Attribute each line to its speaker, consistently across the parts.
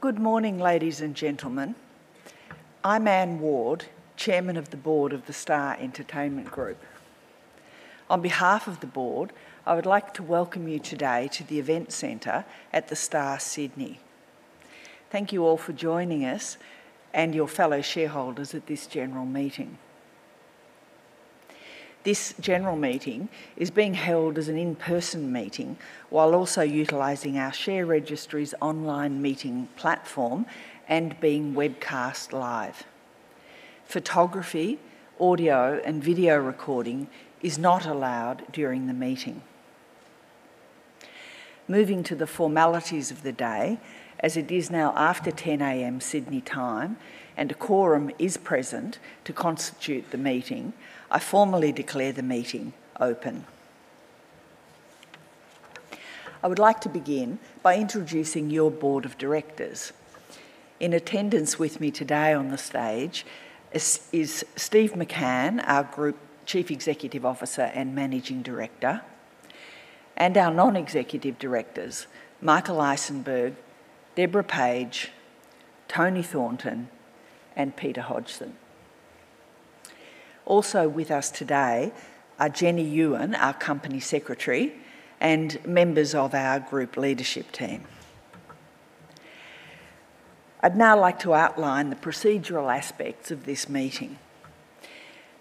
Speaker 1: Good morning, ladies and gentlemen. I'm Anne Ward, Chairman of the Board of The Star Entertainment Group. On behalf of the Board, I would like to welcome you today to the Event Centre at The Star Sydney. Thank you all for joining us and your fellow shareholders at this general meeting. This general meeting is being held as an in-person meeting while also utilizing our share registry's online meeting platform and being webcast live. Photography, audio, and video recording is not allowed during the meeting. Moving to the formalities of the day, as it is now after 10:00 A.M. Sydney time and a quorum is present to constitute the meeting, I formally declare the meeting open. I would like to begin by introducing your Board of Directors. In attendance with me today on the stage is Steve McCann, our Group Chief Executive Officer and Managing Director, and our non-executive directors, Michael Eisenberg, Deborah Page, Tony Thornton, and Peter Hodgson. Also with us today are Jenny Yuan, our Company Secretary, and members of our Group Leadership Team. I'd now like to outline the procedural aspects of this meeting.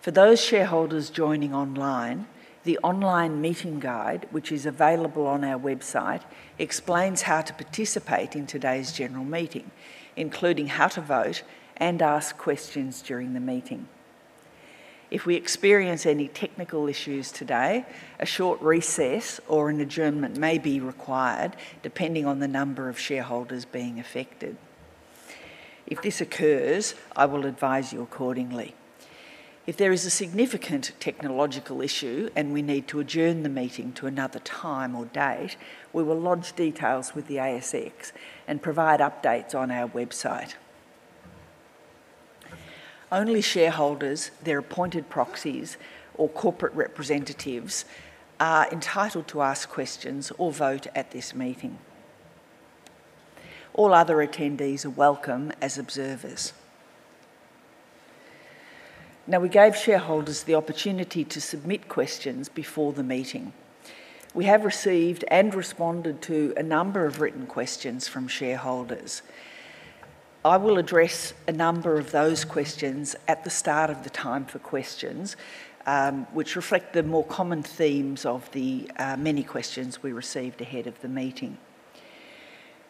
Speaker 1: For those shareholders joining online, the online meeting guide, which is available on our website, explains how to participate in today's general meeting, including how to vote and ask questions during the meeting. If we experience any technical issues today, a short recess or an adjournment may be required, depending on the number of shareholders being affected. If this occurs, I will advise you accordingly. If there is a significant technological issue and we need to adjourn the meeting to another time or date, we will lodge details with the ASX and provide updates on our website. Only shareholders, their appointed proxies, or corporate representatives are entitled to ask questions or vote at this meeting. All other attendees are welcome as observers. Now, we gave shareholders the opportunity to submit questions before the meeting. We have received and responded to a number of written questions from shareholders. I will address a number of those questions at the start of the time for questions, which reflect the more common themes of the many questions we received ahead of the meeting.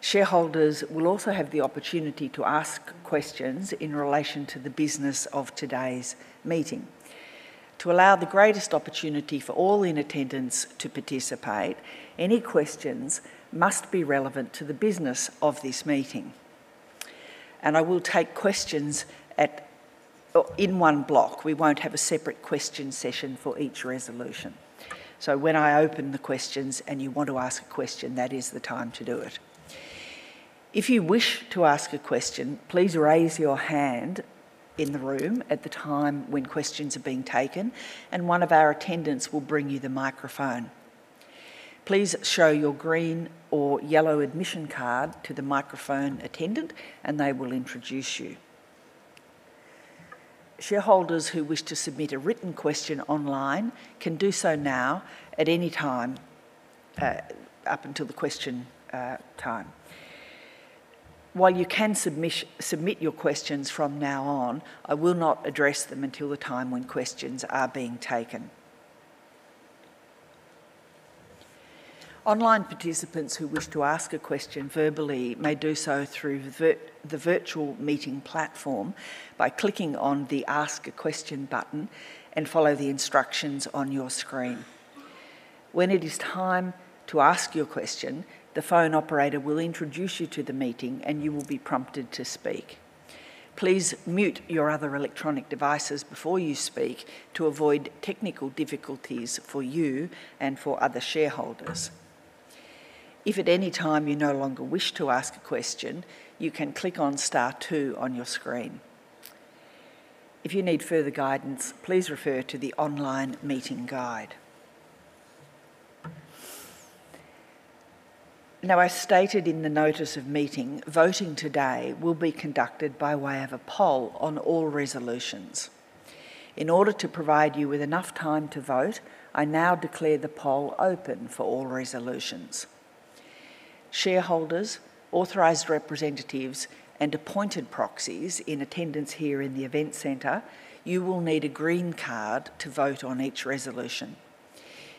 Speaker 1: Shareholders will also have the opportunity to ask questions in relation to the business of today's meeting. To allow the greatest opportunity for all in attendance to participate, any questions must be relevant to the business of this meeting. I will take questions in one block. We will not have a separate question session for each resolution. When I open the questions and you want to ask a question, that is the time to do it. If you wish to ask a question, please raise your hand in the room at the time when questions are being taken, and one of our attendants will bring you the microphone. Please show your green or yellow admission card to the microphone attendant, and they will introduce you. Shareholders who wish to submit a written question online can do so now at any time up until the question time. While you can submit your questions from now on, I will not address them until the time when questions are being taken. Online participants who wish to ask a question verbally may do so through the virtual meeting platform by clicking on the Ask a Question button and follow the instructions on your screen. When it is time to ask your question, the phone operator will introduce you to the meeting, and you will be prompted to speak. Please mute your other electronic devices before you speak to avoid technical difficulties for you and for other shareholders. If at any time you no longer wish to ask a question, you can click on Star two on your screen. If you need further guidance, please refer to the online meeting guide. Now, as stated in the notice of meeting, voting today will be conducted by way of a poll on all resolutions. In order to provide you with enough time to vote, I now declare the poll open for all resolutions. Shareholders, authorized representatives, and appointed proxies in attendance here in the Event Centre, you will need a green card to vote on each resolution.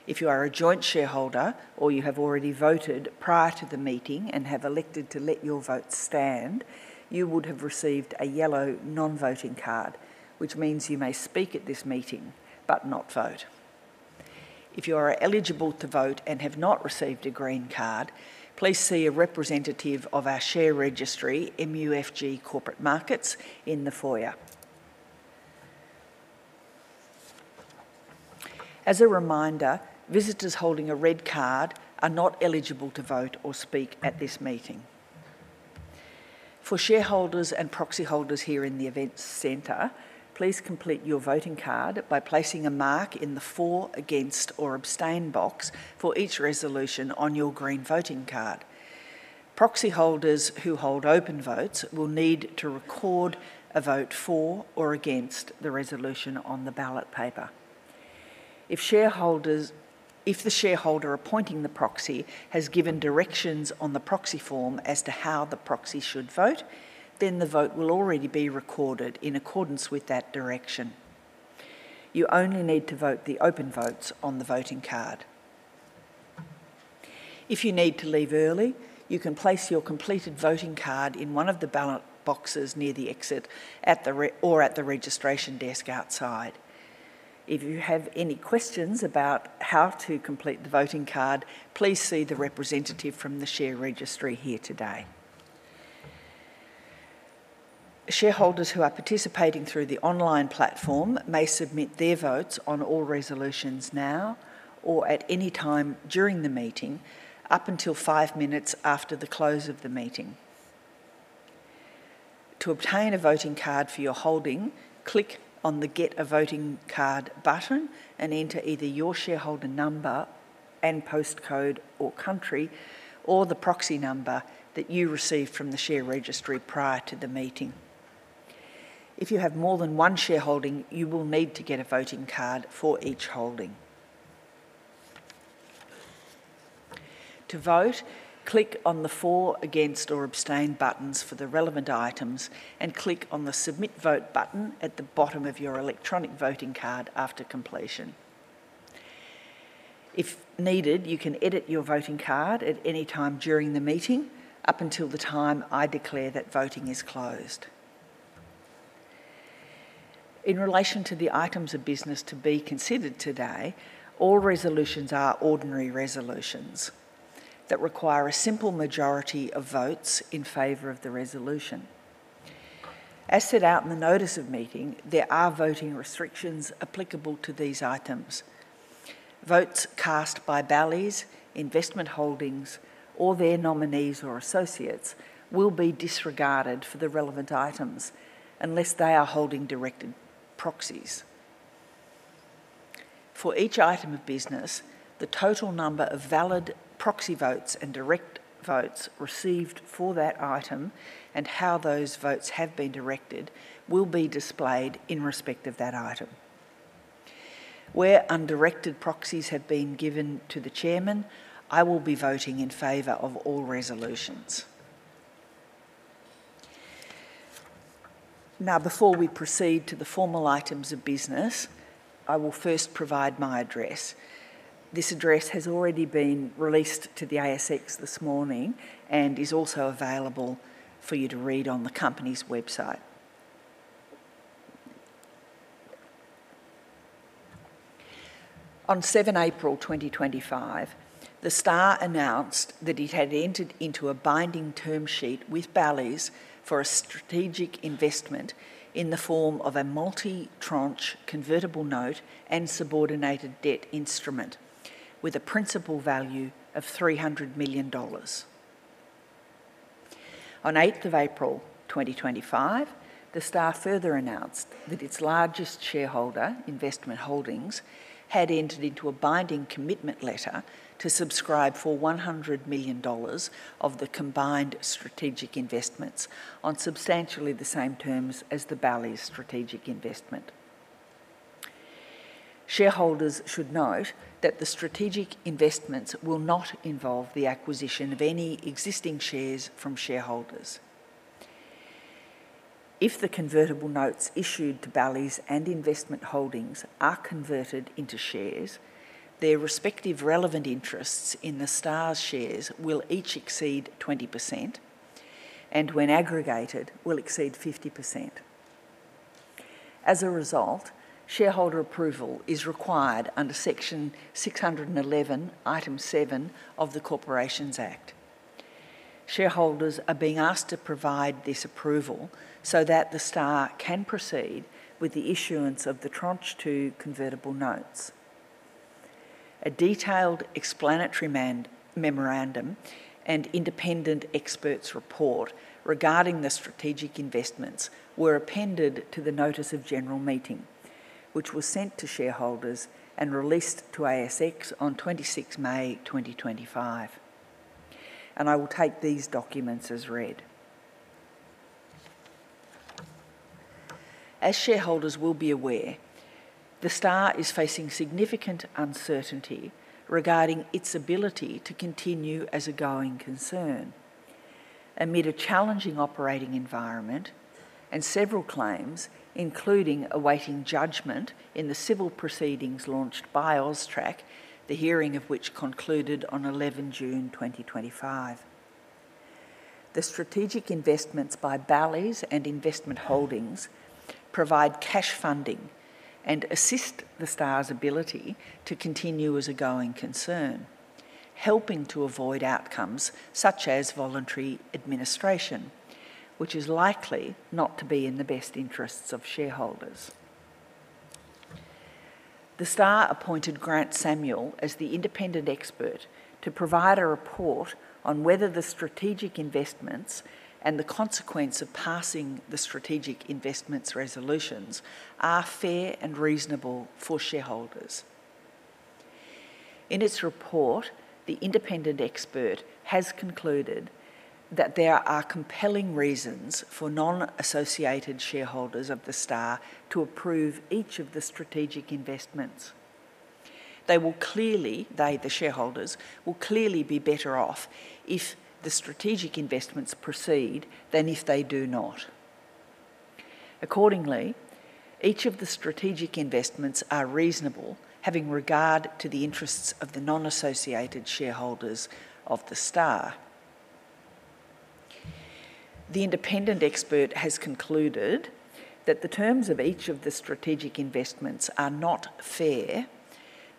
Speaker 1: If you are a joint shareholder or you have already voted prior to the meeting and have elected to let your vote stand, you would have received a yellow non-voting card, which means you may speak at this meeting but not vote. If you are eligible to vote and have not received a green card, please see a representative of our share registry, MUFG Corporate Markets, in the foyer. As a reminder, visitors holding a red card are not eligible to vote or speak at this meeting. For shareholders and proxy holders here in the Event Centre, please complete your voting card by placing a mark in the For, Against, or Abstain box for each resolution on your green voting card. Proxy holders who hold open votes will need to record a vote for or against the resolution on the ballot paper. If the shareholder appointing the proxy has given directions on the proxy form as to how the proxy should vote, then the vote will already be recorded in accordance with that direction. You only need to vote the open votes on the voting card. If you need to leave early, you can place your completed voting card in one of the ballot boxes near the exit or at the registration desk outside. If you have any questions about how to complete the voting card, please see the representative from the share registry here today. Shareholders who are participating through the online platform may submit their votes on all resolutions now or at any time during the meeting up until five minutes after the close of the meeting. To obtain a voting card for your holding, click on the Get a Voting Card button and enter either your shareholder number and postcode or country or the proxy number that you received from the share registry prior to the meeting. If you have more than one shareholding, you will need to get a voting card for each holding. To vote, click on the For, Against, or Abstain buttons for the relevant items and click on the Submit Vote button at the bottom of your electronic voting card after completion. If needed, you can edit your voting card at any time during the meeting up until the time I declare that voting is closed. In relation to the items of business to be considered today, all resolutions are ordinary resolutions that require a simple majority of votes in favor of the resolution. As set out in the notice of meeting, there are voting restrictions applicable to these items. Votes cast by Bally's, Investment Holdings, or their nominees or associates will be disregarded for the relevant items unless they are holding directed proxies. For each item of business, the total number of valid proxy votes and direct votes received for that item and how those votes have been directed will be displayed in respect of that item. Where undirected proxies have been given to the Chairman, I will be voting in favor of all resolutions. Now, before we proceed to the formal items of business, I will first provide my address. This address has already been released to the ASX this morning and is also available for you to read on the Company's website. On 7 April 2025, The Star announced that it had entered into a binding term sheet with Bally's for a strategic investment in the form of a multi-tranche convertible note and subordinated debt instrument with a principal value of 300 million dollars. On 8 April 2025, The Star further announced that its largest shareholder, Investment Holdings, had entered into a binding commitment letter to subscribe for 100 million dollars of the combined strategic investments on substantially the same terms as the Bally's strategic investment. Shareholders should note that the strategic investments will not involve the acquisition of any existing shares from shareholders. If the convertible notes issued to Bally's and Investment Holdings are converted into shares, their respective relevant interests in the Star's shares will each exceed 20%, and when aggregated, will exceed 50%. As a result, shareholder approval is required under Section 611, Item 7 of the Corporations Act. Shareholders are being asked to provide this approval so that the Star can proceed with the issuance of the tranche two convertible notes. A detailed explanatory memorandum and independent experts' report regarding the strategic investments were appended to the notice of general meeting, which was sent to shareholders and released to ASX on 26 May 2025. I will take these documents as read. As shareholders will be aware, The Star is facing significant uncertainty regarding its ability to continue as a going concern amid a challenging operating environment and several claims, including awaiting judgment in the civil proceedings launched by AUSTRAC, the hearing of which concluded on 11 June 2025. The strategic investments by Bally's and Investment Holdings provide cash funding and assist The Star's ability to continue as a going concern, helping to avoid outcomes such as voluntary administration, which is likely not to be in the best interests of shareholders. The Star appointed Grant Samuel as the independent expert to provide a report on whether the strategic investments and the consequence of passing the strategic investments resolutions are fair and reasonable for shareholders. In its report, the independent expert has concluded that there are compelling reasons for non-associated shareholders of The Star to approve each of the strategic investments. They will clearly, the shareholders will clearly be better off if the strategic investments proceed than if they do not. Accordingly, each of the strategic investments are reasonable, having regard to the interests of the non-associated shareholders of The Star. The independent expert has concluded that the terms of each of the strategic investments are not fair,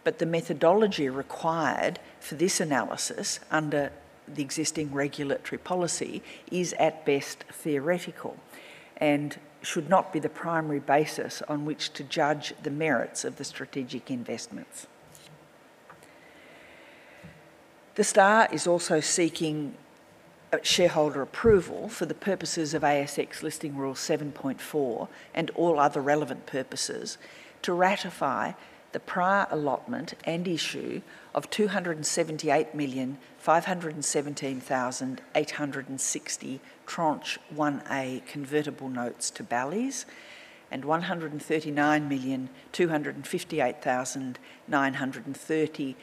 Speaker 1: but the methodology required for this analysis under the existing regulatory policy is at best theoretical and should not be the primary basis on which to judge the merits of the strategic investments. The Star is also seeking shareholder approval for the purposes of ASX Listing Rule 7.4 and all other relevant purposes to ratify the prior allotment and issue of 278,517,860 tranche 1A convertible notes to Bally's and 139,258,930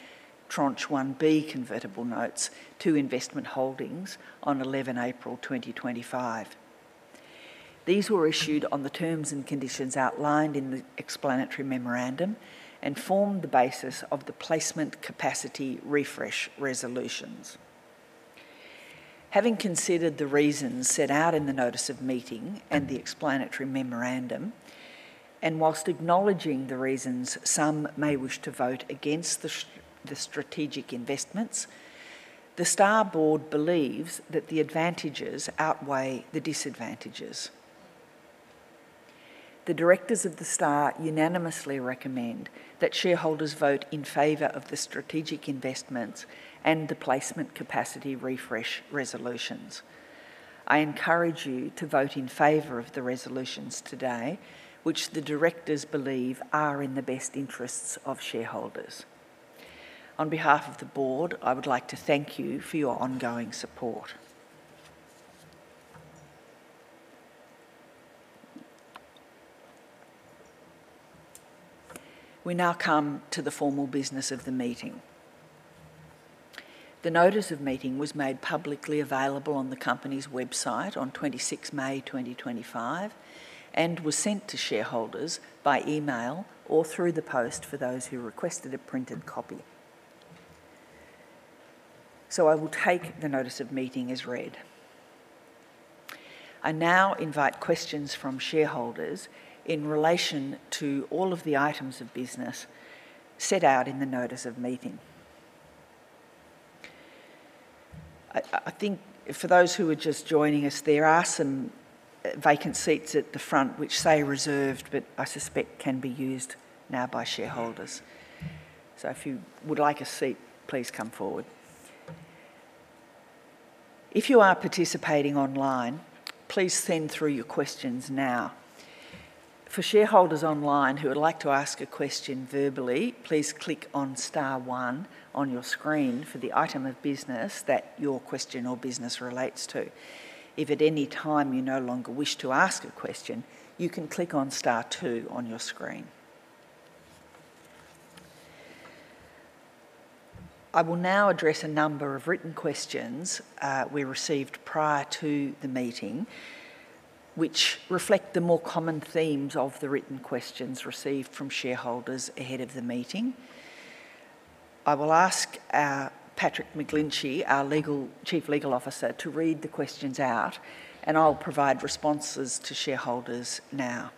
Speaker 1: tranche 1B convertible notes to Investment Holdings on 11 April 2025. These were issued on the terms and conditions outlined in the explanatory memorandum and form the basis of the placement capacity refresh resolutions. Having considered the reasons set out in the notice of meeting and the explanatory memorandum, and whilst acknowledging the reasons some may wish to vote against the strategic investments, the Star Board believes that the advantages outweigh the disadvantages. The directors of the Star unanimously recommend that shareholders vote in favor of the strategic investments and the placement capacity refresh resolutions. I encourage you to vote in favor of the resolutions today, which the directors believe are in the best interests of shareholders. On behalf of the Board, I would like to thank you for your ongoing support. We now come to the formal business of the meeting. The notice of meeting was made publicly available on the Company's website on 26 May 2025 and was sent to shareholders by email or through the post for those who requested a printed copy. I will take the notice of meeting as read. I now invite questions from shareholders in relation to all of the items of business set out in the notice of meeting. I think for those who are just joining us, there are some vacant seats at the front which say reserved, but I suspect can be used now by shareholders. If you would like a seat, please come forward. If you are participating online, please send through your questions now. For shareholders online who would like to ask a question verbally, please click on Star 1 on your screen for the item of business that your question or business relates to. If at any time you no longer wish to ask a question, you can click on Star 2 on your screen. I will now address a number of written questions we received prior to the meeting, which reflect the more common themes of the written questions received from shareholders ahead of the meeting. I will ask Patrick McGlinchey, our Chief Legal Officer, to read the questions out, and I'll provide responses to shareholders now.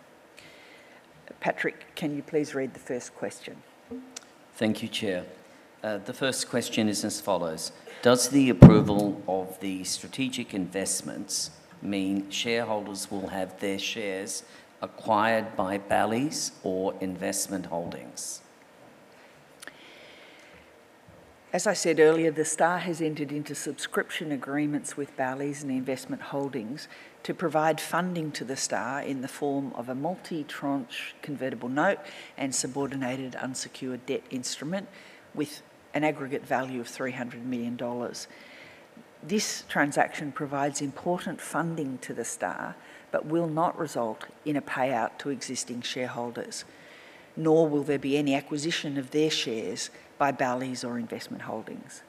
Speaker 1: Patrick, can you please read the first question?
Speaker 2: Thank you, Chair. The first question is as follows. Does the approval of the strategic investments mean shareholders will have their shares acquired by Bally's or Investment Holdings?
Speaker 1: As I said earlier, the Star has entered into subscription agreements with Bally's and Investment Holdings to provide funding to the Star in the form of a multi-tranche convertible note and subordinated unsecured debt instrument with an aggregate value of 300 million dollars. This transaction provides important funding to the Star, but will not result in a payout to existing shareholders, nor will there be any acquisition of their shares by Bally's or Investment Holdings.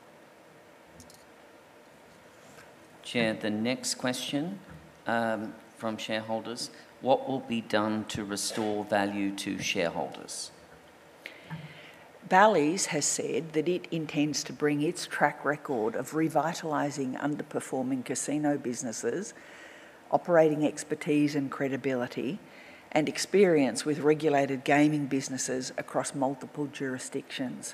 Speaker 1: Chair, the next question from shareholders. What will be done to restore value to shareholders? Bally's has said that it intends to bring its track record of revitalizing underperforming casino businesses, operating expertise and credibility, and experience with regulated gaming businesses across multiple jurisdictions.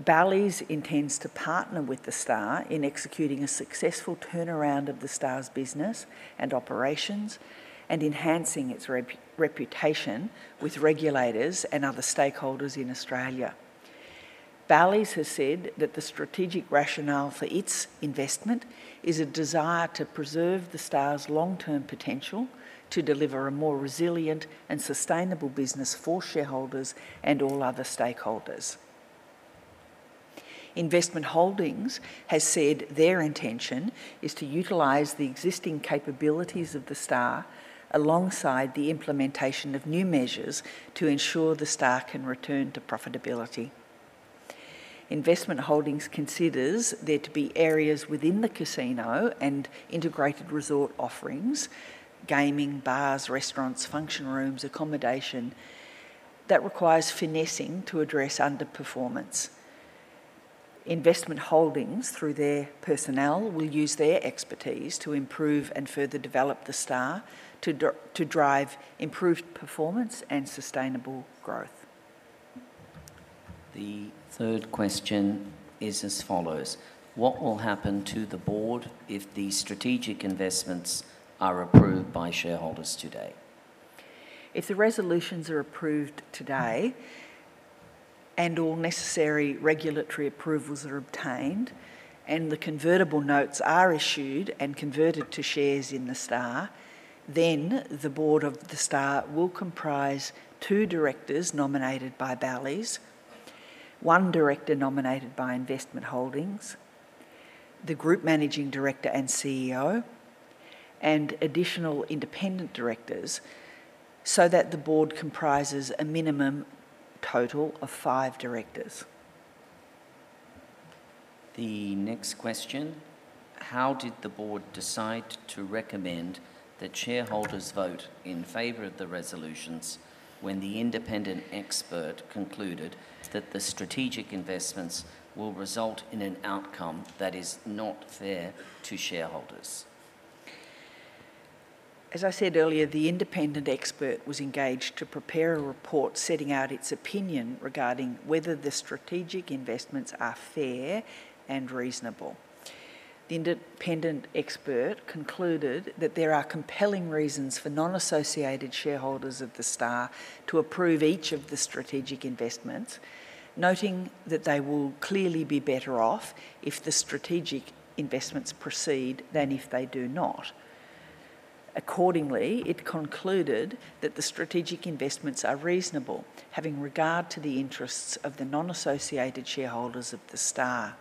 Speaker 1: Bally's intends to partner with the Star in executing a successful turnaround of the Star's business and operations and enhancing its reputation with regulators and other stakeholders in Australia. Bally's has said that the strategic rationale for its investment is a desire to preserve the Star's long-term potential to deliver a more resilient and sustainable business for shareholders and all other stakeholders. Investment Holdings has said their intention is to utilize the existing capabilities of the Star alongside the implementation of new measures to ensure the Star can return to profitability. Investment Holdings considers there to be areas within the casino and integrated resort offerings, gaming, bars, restaurants, function rooms, accommodation that requires finessing to address underperformance. Investment Holdings, through their personnel, will use their expertise to improve and further develop the Star to drive improved performance and sustainable growth.
Speaker 2: The third question is as follows. What will happen to the Board if the strategic investments are approved by shareholders today?
Speaker 1: If the resolutions are approved today and all necessary regulatory approvals are obtained and the convertible notes are issued and converted to shares in The Star, then the Board of The Star will comprise two directors nominated by Bally's, one director nominated by Investment Holdings, the Group Managing Director and CEO, and additional independent directors so that the Board comprises a minimum total of five directors.
Speaker 2: The next question. How did the Board decide to recommend that shareholders vote in favor of the resolutions when the independent expert concluded that the strategic investments will result in an outcome that is not fair to shareholders?
Speaker 1: As I said earlier, the independent expert was engaged to prepare a report setting out its opinion regarding whether the strategic investments are fair and reasonable. The independent expert concluded that there are compelling reasons for non-associated shareholders of the Star to approve each of the strategic investments, noting that they will clearly be better off if the strategic investments proceed than if they do not. Accordingly, it concluded that the strategic investments are reasonable, having regard to the interests of the non-associated shareholders of the Star.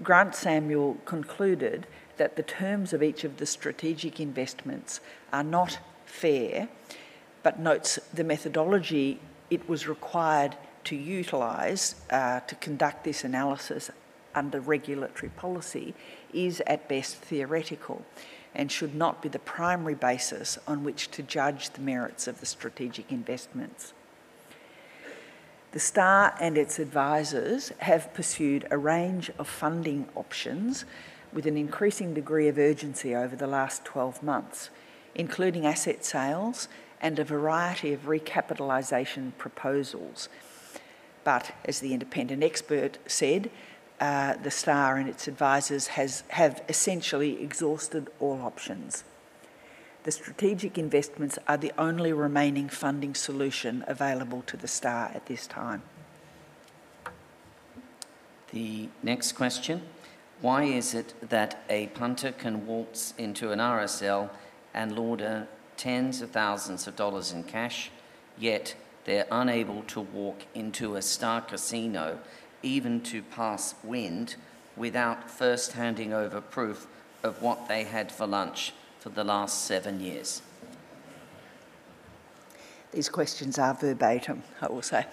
Speaker 1: Grant Samuel concluded that the terms of each of the strategic investments are not fair, but notes the methodology it was required to utilize to conduct this analysis under regulatory policy is at best theoretical and should not be the primary basis on which to judge the merits of the strategic investments. The Star and its advisors have pursued a range of funding options with an increasing degree of urgency over the last 12 months, including asset sales and a variety of recapitalization proposals. As the independent expert said, the Star and its advisors have essentially exhausted all options. The strategic investments are the only remaining funding solution available to the Star at this time. The next question. Why is it that a punter can waltz into an RSL and launder tens of thousands of dollars in cash, yet they're unable to walk into a Star casino even to pass wind without first handing over proof of what they had for lunch for the last seven years? These questions are verbatim, I will say.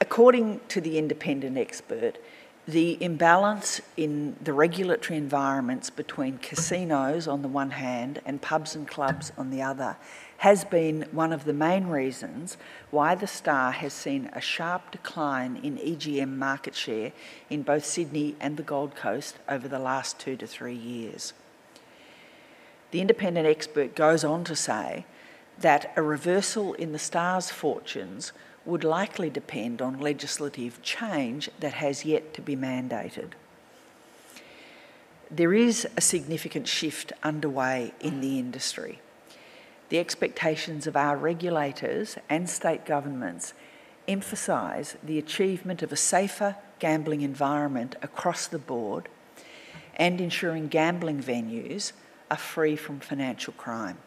Speaker 1: According to the independent expert, the imbalance in the regulatory environments between casinos on the one hand and pubs and clubs on the other has been one of the main reasons why the Star has seen a sharp decline in EGM market share in both Sydney and the Gold Coast over the last two to three years. The independent expert goes on to say that a reversal in The Star's fortunes would likely depend on legislative change that has yet to be mandated. There is a significant shift underway in the industry. The expectations of our regulators and state governments emphasize the achievement of a safer gambling environment across the board and ensuring gambling venues are free from financial crime.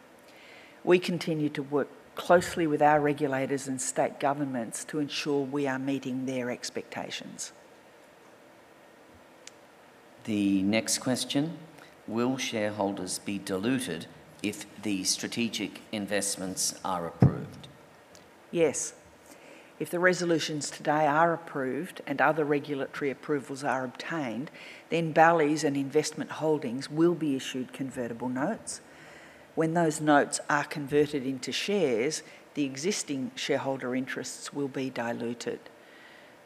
Speaker 1: We continue to work closely with our regulators and state governments to ensure we are meeting their expectations.
Speaker 2: The next question. Will shareholders be diluted if the strategic investments are approved?
Speaker 1: Yes. If the resolutions today are approved and other regulatory approvals are obtained, then Bally's and Investment Holdings will be issued Convertible Notes. When those notes are converted into shares, the existing shareholder interests will be diluted.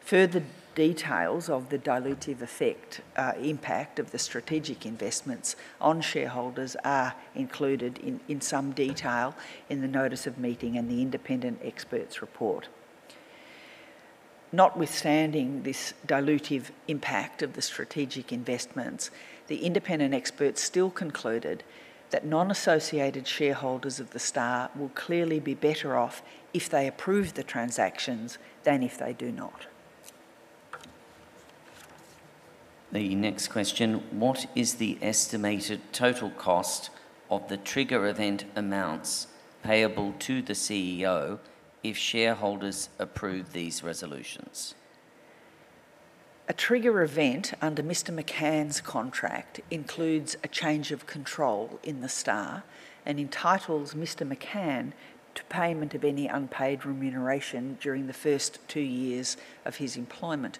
Speaker 1: Further details of the dilutive effect impact of the strategic investments on shareholders are included in some detail in the notice of meeting and the independent expert's report. Notwithstanding this dilutive impact of the strategic investments, the independent expert still concluded that non-associated shareholders of The Star will clearly be better off if they approve the transactions than if they do not.
Speaker 2: The next question. What is the estimated total cost of the trigger event amounts payable to the CEO if shareholders approve these resolutions?
Speaker 1: A trigger event under Mr. McCann's contract includes a change of control in The Star and entitles Mr. McCann to payment of any unpaid remuneration during the first two years of his employment,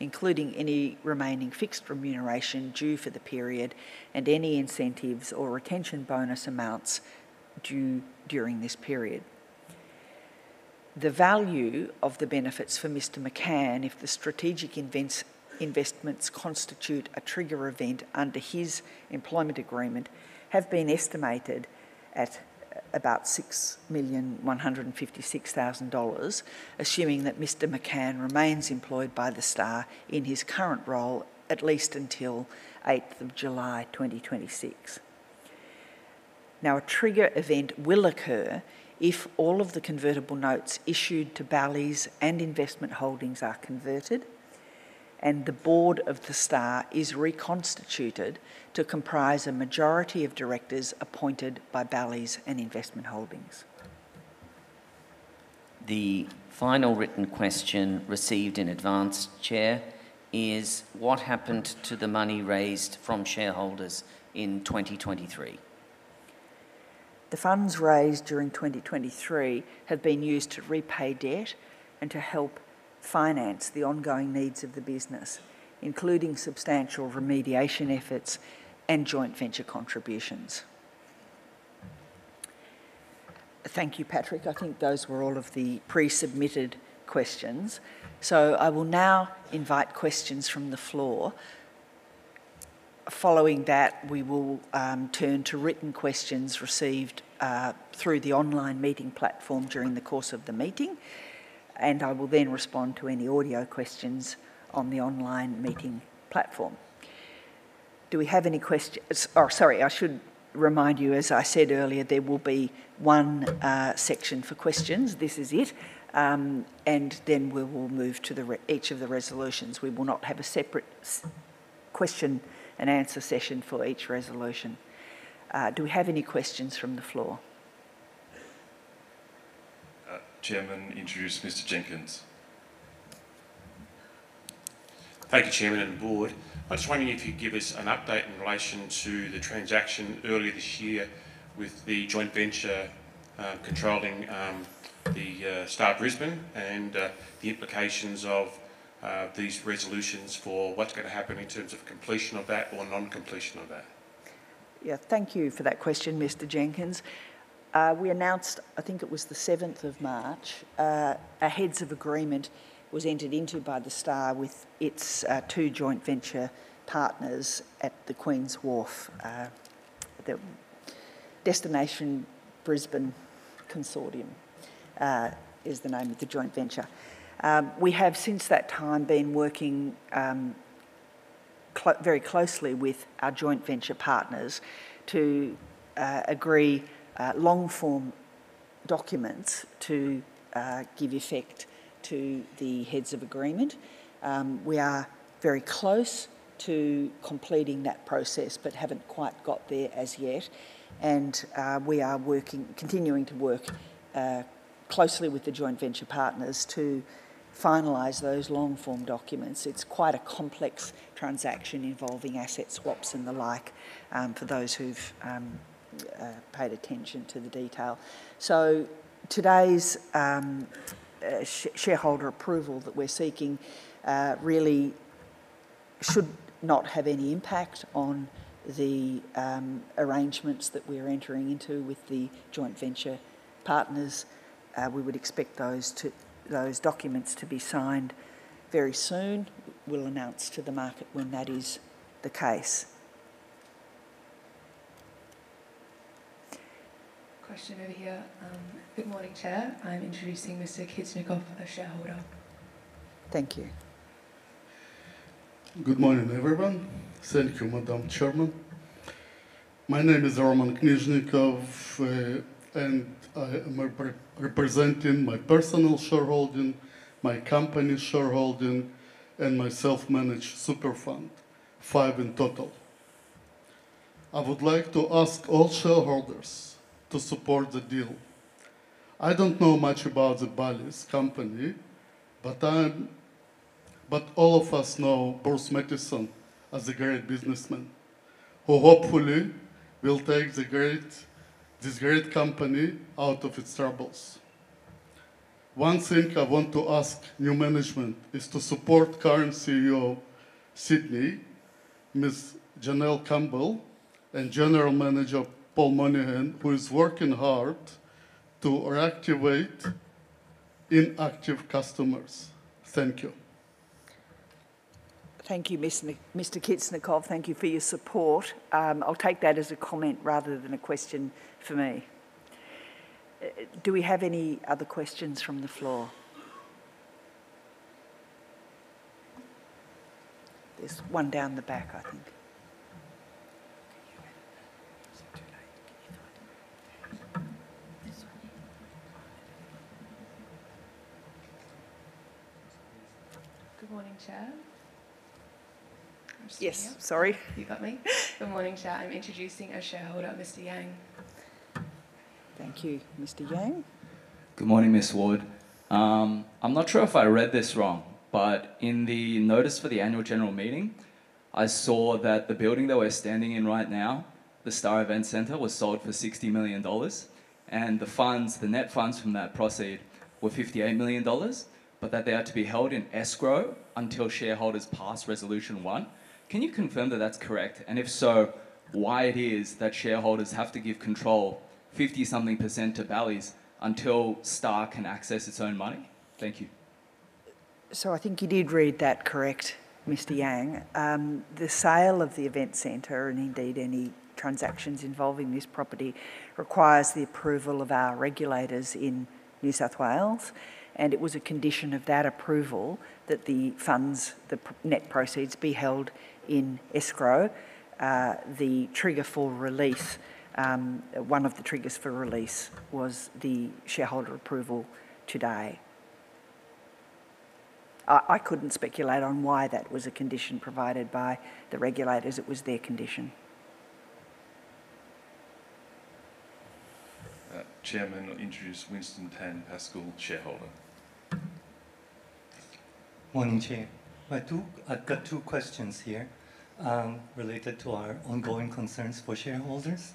Speaker 1: including any remaining fixed remuneration due for the period and any incentives or retention bonus amounts due during this period. The value of the benefits for Mr. McCann, if the strategic investments constitute a trigger event under his employment agreement, have been estimated at about 6,156,000 dollars, assuming that Mr. McCann remains employed by the Star in his current role at least until 8th of July 2026. Now, a trigger event will occur if all of the convertible notes issued to Bally's and Investment Holdings are converted and the Board of the Star is reconstituted to comprise a majority of directors appointed by Bally's and Investment Holdings.
Speaker 2: The final written question received in advance, Chair, is what happened to the money raised from shareholders in 2023?
Speaker 1: The funds raised during 2023 have been used to repay debt and to help finance the ongoing needs of the business, including substantial remediation efforts and joint venture contributions. Thank you, Patrick. I think those were all of the pre-submitted questions. I will now invite questions from the floor. Following that, we will turn to written questions received through the online meeting platform during the course of the meeting, and I will then respond to any audio questions on the online meeting platform. Do we have any questions? Oh, sorry. I should remind you, as I said earlier, there will be one section for questions. This is it. Then we will move to each of the resolutions. We will not have a separate question and answer session for each resolution. Do we have any questions from the floor?
Speaker 2: Chairman introduced Mr. Jenkins.
Speaker 3: Thank you, Chairman and Board. I just wanted to give us an update in relation to the transaction earlier this year with the joint venture controlling the Star Brisbane and the implications of these resolutions for what is going to happen in terms of completion of that or non-completion of that.
Speaker 1: Yeah, thank you for that question, Mr. Jenkins. We announced, I think it was the 7th of March, a heads-of-agreement was entered into by the Star with its two joint venture partners at the Queens Wharf. The Destination Brisbane Consortium is the name of the joint venture. We have since that time been working very closely with our joint venture partners to agree long-form documents to give effect to the heads-of-agreement. We are very close to completing that process but have not quite got there as yet. We are working, continuing to work closely with the joint venture partners to finalize those long-form documents. It is quite a complex transaction involving asset swaps and the like for those who have paid attention to the detail. Today's shareholder approval that we are seeking really should not have any impact on the arrangements that we are entering into with the joint venture partners. We would expect those documents to be signed very soon. We'll announce to the market when that is the case. Question over here.
Speaker 4: Good morning, Chair. I'm introducing Mr. Kiznikov as shareholder.
Speaker 1: Thank you.
Speaker 5: Good morning, everyone. Thank you, Madame Chairman. My name is Roman Kiznikov, and I am representing my personal shareholding, my company shareholding, and my self-managed super fund, five in total. I would like to ask all shareholders to support the deal. I don't know much about the Bally's company, but all of us know Boris Mattison as a great businessman who hopefully will take this great company out of its troubles. One thing I want to ask new management is to support current CEO Sydney, Ms. Janelle Campbell, and General Manager Paul Monahan, who is working hard to activate inactive customers. Thank you.
Speaker 1: Thank you, Mr. Kiznikov. Thank you for your support. I'll take that as a comment rather than a question for me. Do we have any other questions from the floor? There's one down the back, I think.
Speaker 6: Good morning, Chair. Yes. Sorry. You got me? Good morning, Chair. I'm introducing our shareholder, Mr. Yang.
Speaker 1: Thank you, Mr. Yang.
Speaker 7: Good morning, Ms. Ward. I'm not sure if I read this wrong, but in the notice for the annual general meeting, I saw that the building that we're standing in right now, the Star Event Centre, was sold for 60 million dollars, and the funds, the net funds from that proceed, were 58 million dollars, but that they are to be held in escrow until shareholders pass resolution one. Can you confirm that that's correct? If so, why is it that shareholders have to give control 50-something % to Bally's until Star can access its own money? Thank you.
Speaker 1: I think you did read that correct, Mr. Yang. The sale of the Event Centre and indeed any transactions involving this property requires the approval of our regulators in New South Wales. It was a condition of that approval that the funds, the net proceeds, be held in escrow. The trigger for release, one of the triggers for release, was the shareholder approval today. I could not speculate on why that was a condition provided by the regulators. It was their condition.
Speaker 2: Chairman introduced Winston Tan Pascal, shareholder.
Speaker 8: Morning, Chair. I have two questions here related to our ongoing concerns for shareholders.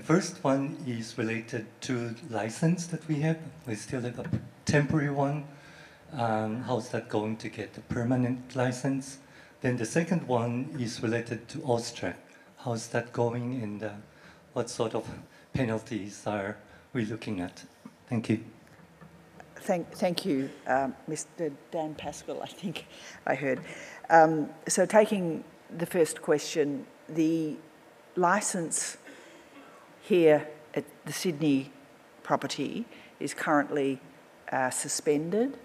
Speaker 8: The first one is related to license that we have. We still have a temporary one. How is that going to get the permanent license? The second one is related to AUSTRAC. How is that going and what sort of penalties are we looking at?
Speaker 1: Thank you. Thank you, Mr. Dan Pascal, I think I heard. Taking the first question, the license here at the Sydney property is currently suspended,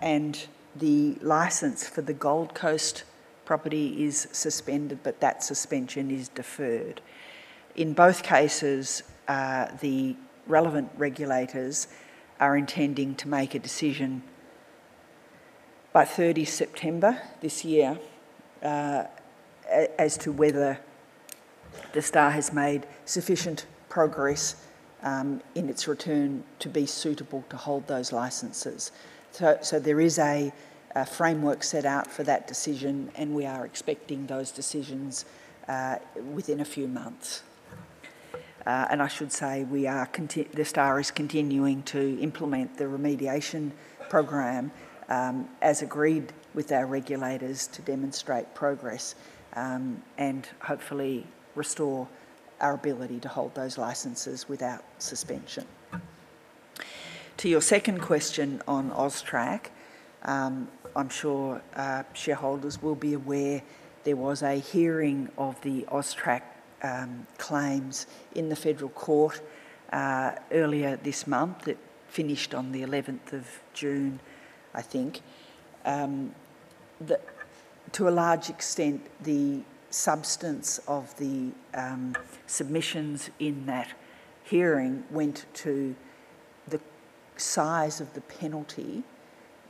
Speaker 1: and the license for the Gold Coast property is suspended, but that suspension is deferred. In both cases, the relevant regulators are intending to make a decision by 30 September this year as to whether the Star has made sufficient progress in its return to be suitable to hold those licenses. There is a framework set out for that decision, and we are expecting those decisions within a few months. I should say the Star is continuing to implement the remediation program as agreed with our regulators to demonstrate progress and hopefully restore our ability to hold those licenses without suspension. To your second question on AUSTRAC, I'm sure shareholders will be aware. There was a hearing of the AUSTRAC claims in the federal court earlier this month that finished on the 11th of June, I think. To a large extent, the substance of the submissions in that hearing went to the size of the penalty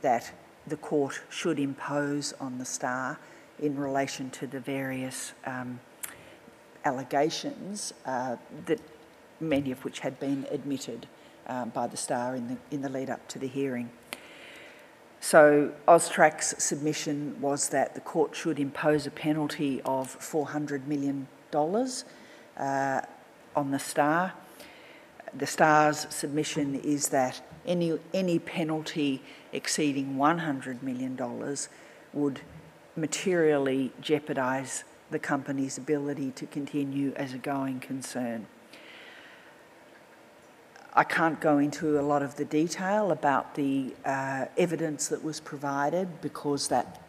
Speaker 1: that the court should impose on the Star in relation to the various allegations, many of which had been admitted by the Star in the lead-up to the hearing. AUSTRAC's submission was that the court should impose a penalty of 400 million dollars on the Star. The Star's submission is that any penalty exceeding 100 million dollars would materially jeopardize the company's ability to continue as a going concern. I can't go into a lot of the detail about the evidence that was provided because that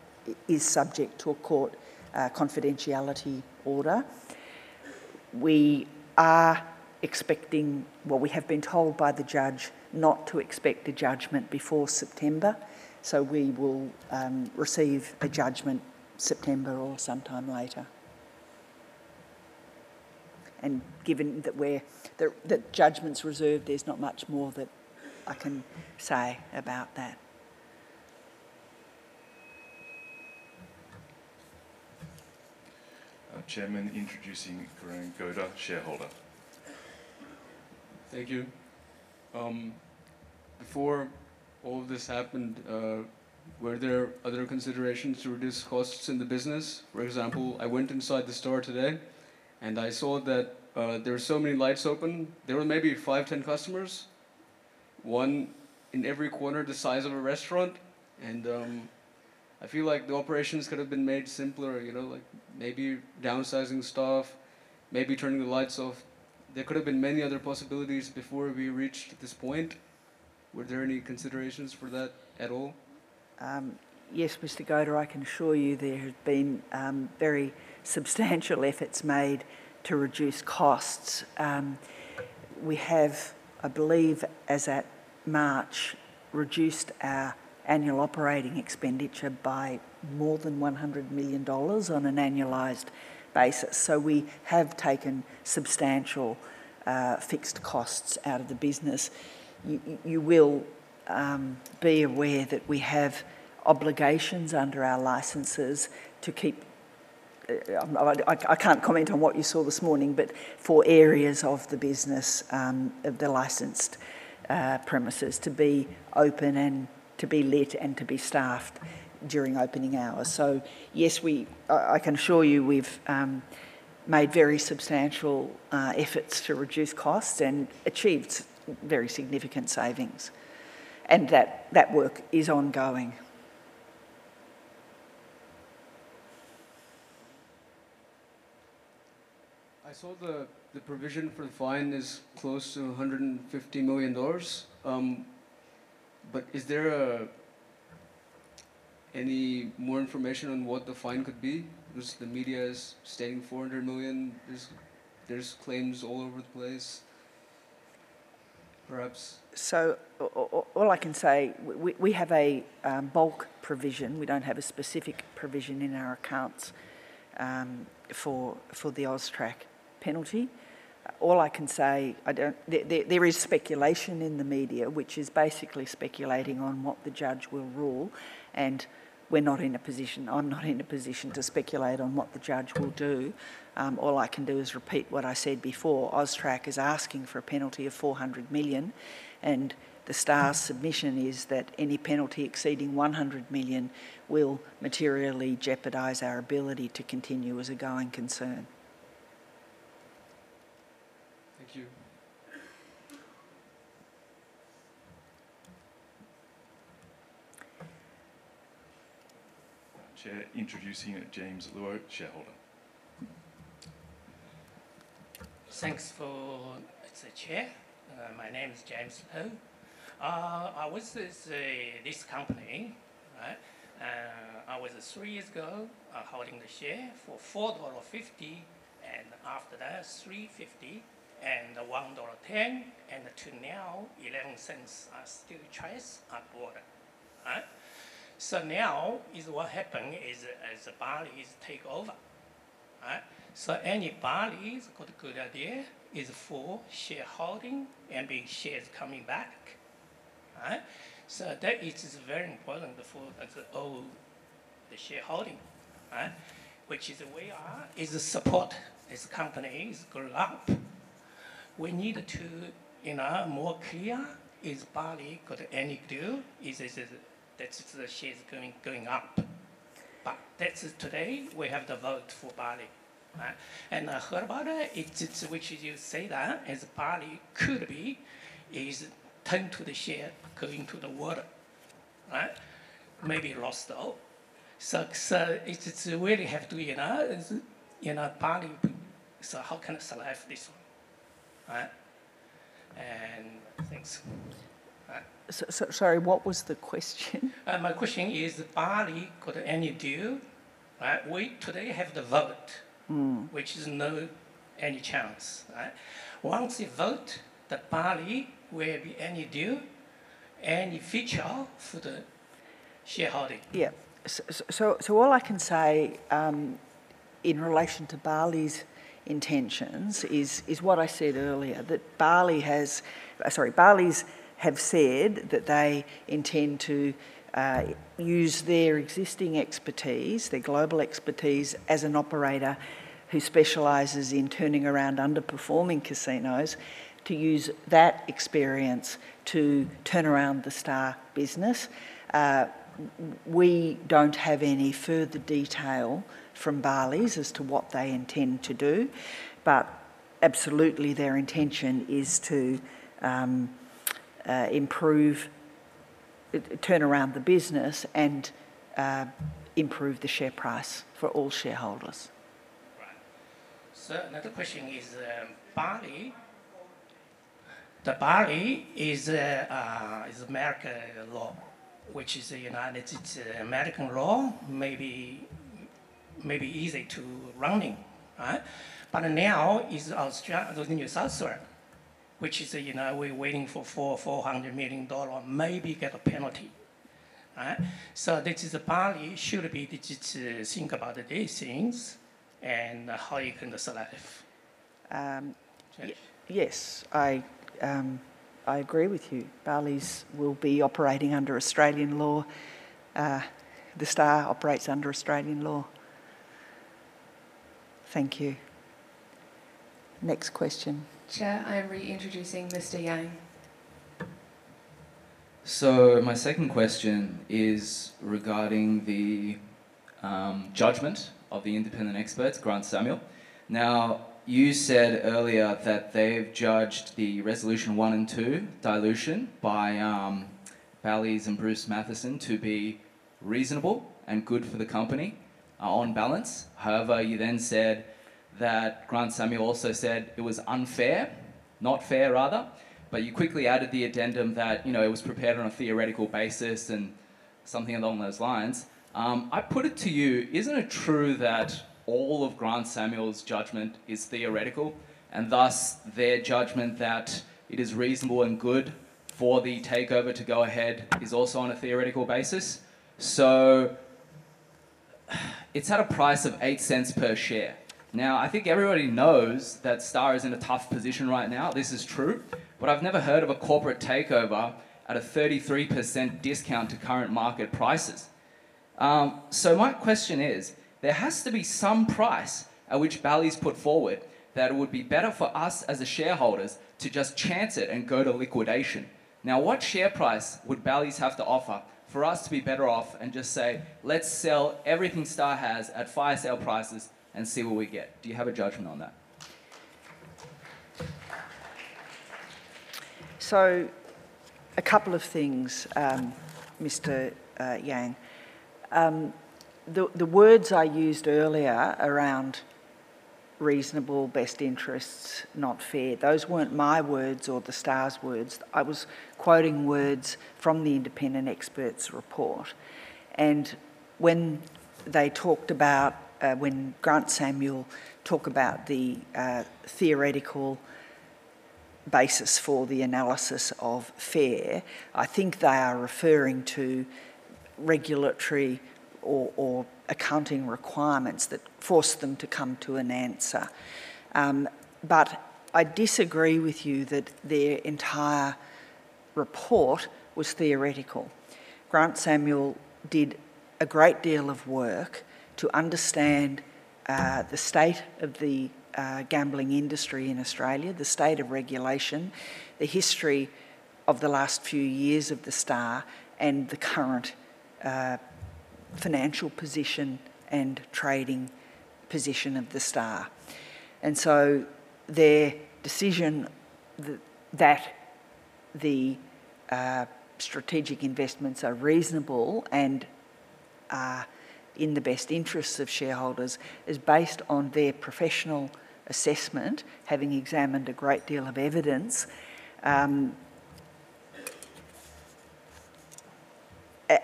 Speaker 1: is subject to a court confidentiality order. We are expecting, we have been told by the judge not to expect a judgment before September, so we will receive a judgment in September or sometime later. Given that judgment's reserved, there's not much more that I can say about that.
Speaker 2: Chairman introducing Guren Ghoda, shareholder.
Speaker 5: Thank you. Before all of this happened, were there other considerations to reduce costs in the business? For example, I went inside the store today and I saw that there were so many lights open. There were maybe five, ten customers, one in every corner the size of a restaurant. I feel like the operations could have been made simpler, like maybe downsizing staff, maybe turning the lights off. There could have been many other possibilities before we reached this point. Were there any considerations for that at all?
Speaker 1: Yes, Mr. Ghoda, I can assure you there have been very substantial efforts made to reduce costs. We have, I believe, as at March, reduced our annual operating expenditure by more than 100 million dollars on an annualized basis. We have taken substantial fixed costs out of the business. You will be aware that we have obligations under our licenses to keep—I cannot comment on what you saw this morning—for areas of the business, the licensed premises to be open and to be lit and to be staffed during opening hours. Yes, I can assure you we have made very substantial efforts to reduce costs and achieved very significant savings. That work is ongoing.
Speaker 5: I saw the provision for the fine is close to 150 million dollars. Is there any more information on what the fine could be? The media is stating 400 million. There are claims all over the place. Perhaps.
Speaker 1: All I can say, we have a bulk provision. We do not have a specific provision in our accounts for the AUSTRAC penalty. All I can say, there is speculation in the media, which is basically speculating on what the judge will rule. We are not in a position—I am not in a position to speculate on what the judge will do. All I can do is repeat what I said before. AUSTRAC is asking for a penalty of 400 million. The Star's submission is that any penalty exceeding 100 million will materially jeopardize our ability to continue as a going concern.
Speaker 2: Thank you. Chair introducing James Lowe, shareholder.
Speaker 9: Thanks for—it's a chair. My name is James Lowe. I was at this company. I was three years ago holding the share for $4.50, and after that, $3.50, and $1.10, and to now, $0.11. I still trade at water. Now what happened is the Bally's takeover. Any Bally's got a good idea is for shareholding and being shares coming back. That is very important for the old shareholding, which is where we are is support. It's a company. It's going up. We need to be more clear if Bally's got any do that the shares are going up. That's it today. We have the vote for Bally's. I heard about it, which is you say that as Bally's could be is turned to the share going to the water. Maybe lost, though. It's really have to—Bally's. How can I survive this one? Thanks.
Speaker 1: Sorry, what was the question?
Speaker 9: My question is, Bally's got any do? We today have the vote, which is no any chance. Once you vote, the Bally's will be any do, any feature for the shareholding. Yeah.
Speaker 1: All I can say in relation to Bally's intentions is what I said earlier, that Bally's have said that they intend to use their existing expertise, their global expertise as an operator who specializes in turning around underperforming casinos to use that experience to turn around the Star business. We do not have any further detail from Bally's as to what they intend to do, but absolutely their intention is to improve, turn around the business and improve the share price for all shareholders.
Speaker 9: Right. Another question is, Bally—the Bally is American law, which is the United States American law, maybe easy to running. Now is the New South Wales, which is we are waiting for 400 million dollar, maybe get a penalty. This is the Bally should be think about these things and how you can survive.
Speaker 1: Yes, I agree with you. Bally's will be operating under Australian law. The Star operates under Australian law. Thank you. Next question.
Speaker 6: Chair, I'm reintroducing Mr. Yang.
Speaker 7: So my second question is regarding the judgment of the independent experts, Grant Samuel. Now, you said earlier that they've judged the resolution one and two dilution by Bally's and Bruce Matheson to be reasonable and good for the company on balance. However, you then said that Grant Samuel also said it was unfair, not fair rather, but you quickly added the addendum that it was prepared on a theoretical basis and something along those lines. I put it to you, isn't it true that all of Grant Samuel's judgment is theoretical and thus their judgment that it is reasonable and good for the takeover to go ahead is also on a theoretical basis? So it's at a price of 0.08 per share. Now, I think everybody knows that Star is in a tough position right now. This is true. I have never heard of a corporate takeover at a 33% discount to current market prices. My question is, there has to be some price at which Bally's put forward that it would be better for us as shareholders to just chance it and go to liquidation. What share price would Bally's have to offer for us to be better off and just say, "Let's sell everything Star has at fire sale prices and see what we get"? Do you have a judgment on that?
Speaker 1: A couple of things, Mr. Yang. The words I used earlier around reasonable, best interests, not fair, those were not my words or Star's words. I was quoting words from the independent experts' report. When they talked about when Grant Samuel talked about the theoretical basis for the analysis of fair, I think they are referring to regulatory or accounting requirements that force them to come to an answer. I disagree with you that their entire report was theoretical. Grant Samuel did a great deal of work to understand the state of the gambling industry in Australia, the state of regulation, the history of the last few years of the Star, and the current financial position and trading position of the Star. Their decision that the strategic investments are reasonable and in the best interests of shareholders is based on their professional assessment, having examined a great deal of evidence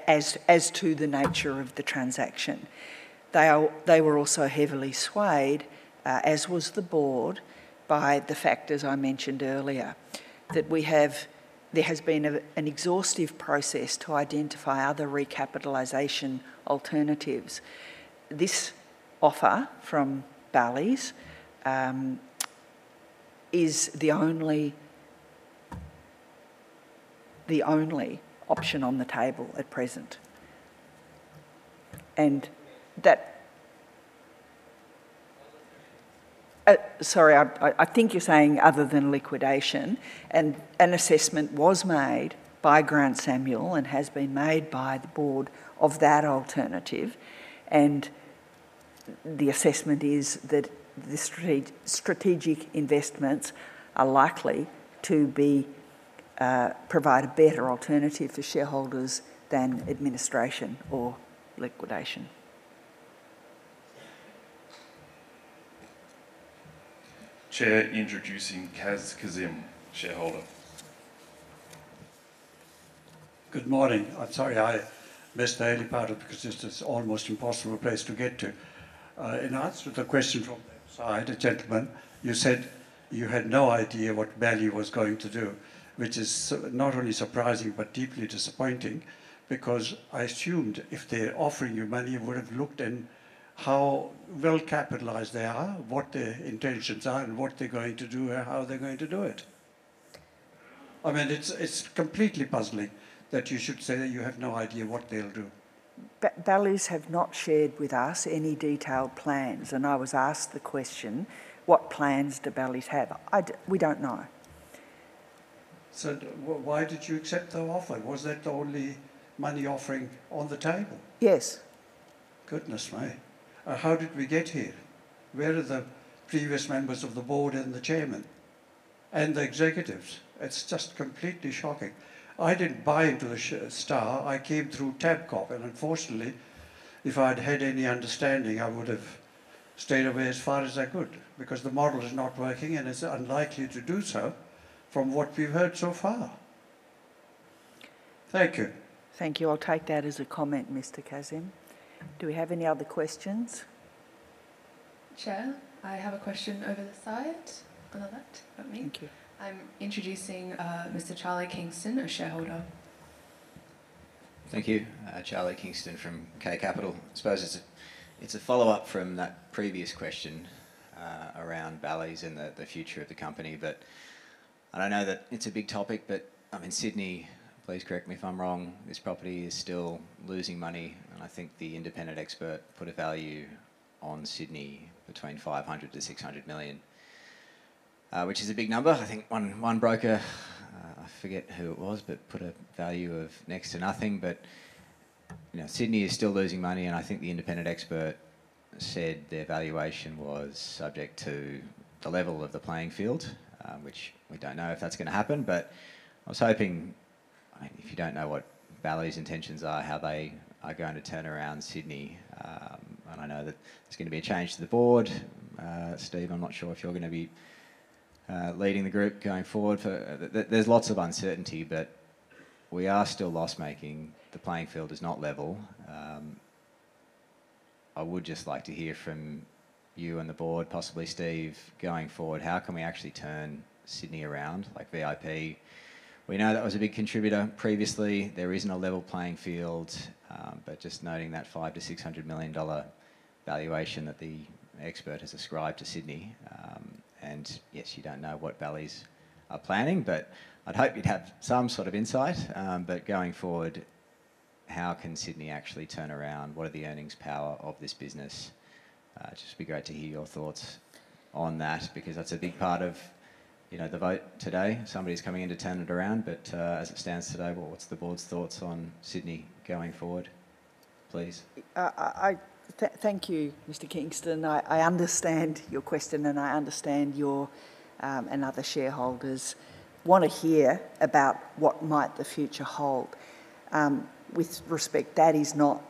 Speaker 1: as to the nature of the transaction. They were also heavily swayed, as was the board, by the factors I mentioned earlier, that there has been an exhaustive process to identify other recapitalisation alternatives. This offer from Bally's is the only option on the table at present. Sorry, I think you're saying other than liquidation, an assessment was made by Grant Samuel and has been made by the board of that alternative. The assessment is that the strategic investments are likely to provide a better alternative to shareholders than administration or liquidation.
Speaker 2: Chair introducing Kaz Kazim, shareholder.
Speaker 7: Good morning. I'm sorry, I missed the early part of the because this is almost impossible place to get to. In answer to the question from the other side, a gentleman, you said you had no idea what Bally's was going to do, which is not only surprising but deeply disappointing because I assumed if they're offering you money, you would have looked in how well capitalized they are, what their intentions are, and what they're going to do and how they're going to do it. I mean, it's completely puzzling that you should say that you have no idea what they'll do.
Speaker 1: Bally's have not shared with us any detailed plans. And I was asked the question, "What plans do Bally's have?" We don't know.
Speaker 7: So why did you accept their offer? Was that the only money offering on the table?
Speaker 1: Yes.
Speaker 7: Goodness me. How did we get here? Where are the previous members of the board and the chairman and the executives? It's just completely shocking. I didn't buy into the Star. I came through TABCOP. And unfortunately, if I'd had any understanding, I would have stayed away as far as I could because the model is not working and it's unlikely to do so from what we've heard so far. Thank you.
Speaker 1: Thank you. I'll take that as a comment, Mr. Kazim. Do we have any other questions?
Speaker 6: Chair, I have a question over the side. Another letter about me. Thank you. I'm introducing Mr. Charlie Kingston, a shareholder.
Speaker 10: Thank you. Charlie Kingston from K Capital. I suppose it's a follow-up from that previous question around Bally's and the future of the company. But I know that it's a big topic, but I'm in Sydney. Please correct me if I'm wrong. This property is still losing money. I think the independent expert put a value on Sydney between 500 million-600 million, which is a big number. I think one broker, I forget who it was, put a value of next to nothing. Sydney is still losing money. I think the independent expert said their valuation was subject to the level of the playing field, which we do not know if that is going to happen. I was hoping, if you do not know what Bally's intentions are, how they are going to turn around Sydney. I know that there is going to be a change to the board. Steve, I am not sure if you are going to be leading the group going forward. There is lots of uncertainty, but we are still loss-making. The playing field is not level. I would just like to hear from you and the board, possibly Steve, going forward, how can we actually turn Sydney around like VIP? We know that was a big contributor previously. There is not a level playing field, but just noting that 500 million-600 million dollar valuation that the expert has ascribed to Sydney. Yes, you do not know what Bally's are planning, but I would hope you would have some sort of insight. Going forward, how can Sydney actually turn around? What are the earnings power of this business? It would just be great to hear your thoughts on that because that is a big part of the vote today. Somebody is coming in to turn it around. As it stands today, what is the board's thoughts on Sydney going forward? Please.
Speaker 1: Thank you, Mr. Kingston. I understand your question, and I understand you and other shareholders want to hear about what might the future hold. With respect, that is not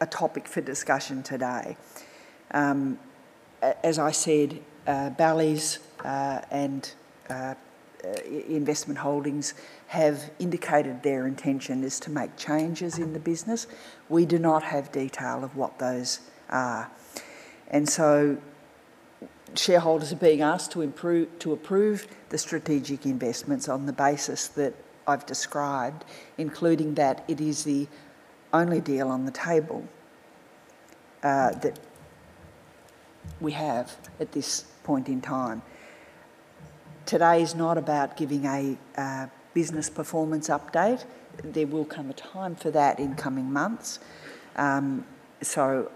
Speaker 1: a topic for discussion today. As I said, Bally's and Investment Holdings have indicated their intention is to make changes in the business. We do not have detail of what those are. Shareholders are being asked to approve the strategic investments on the basis that I have described, including that it is the only deal on the table that we have at this point in time. Today is not about giving a business performance update. There will come a time for that in coming months. I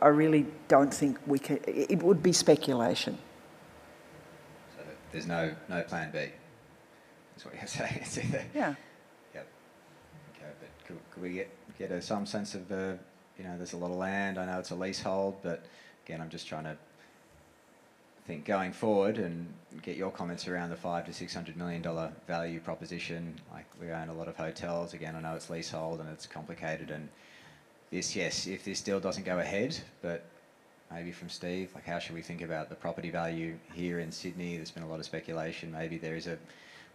Speaker 1: really do not think we can—it would be speculation.
Speaker 10: There is no plan B? That is what you have to say. Yeah. Yeah. Okay. Could we get some sense of there is a lot of land? I know it's a leasehold, but again, I'm just trying to think going forward and get your comments around the 500 million-600 million dollar value proposition. We own a lot of hotels. Again, I know it's leasehold and it's complicated. Yes, if this deal doesn't go ahead, but maybe from Steve, how should we think about the property value here in Sydney? There's been a lot of speculation. Maybe there is a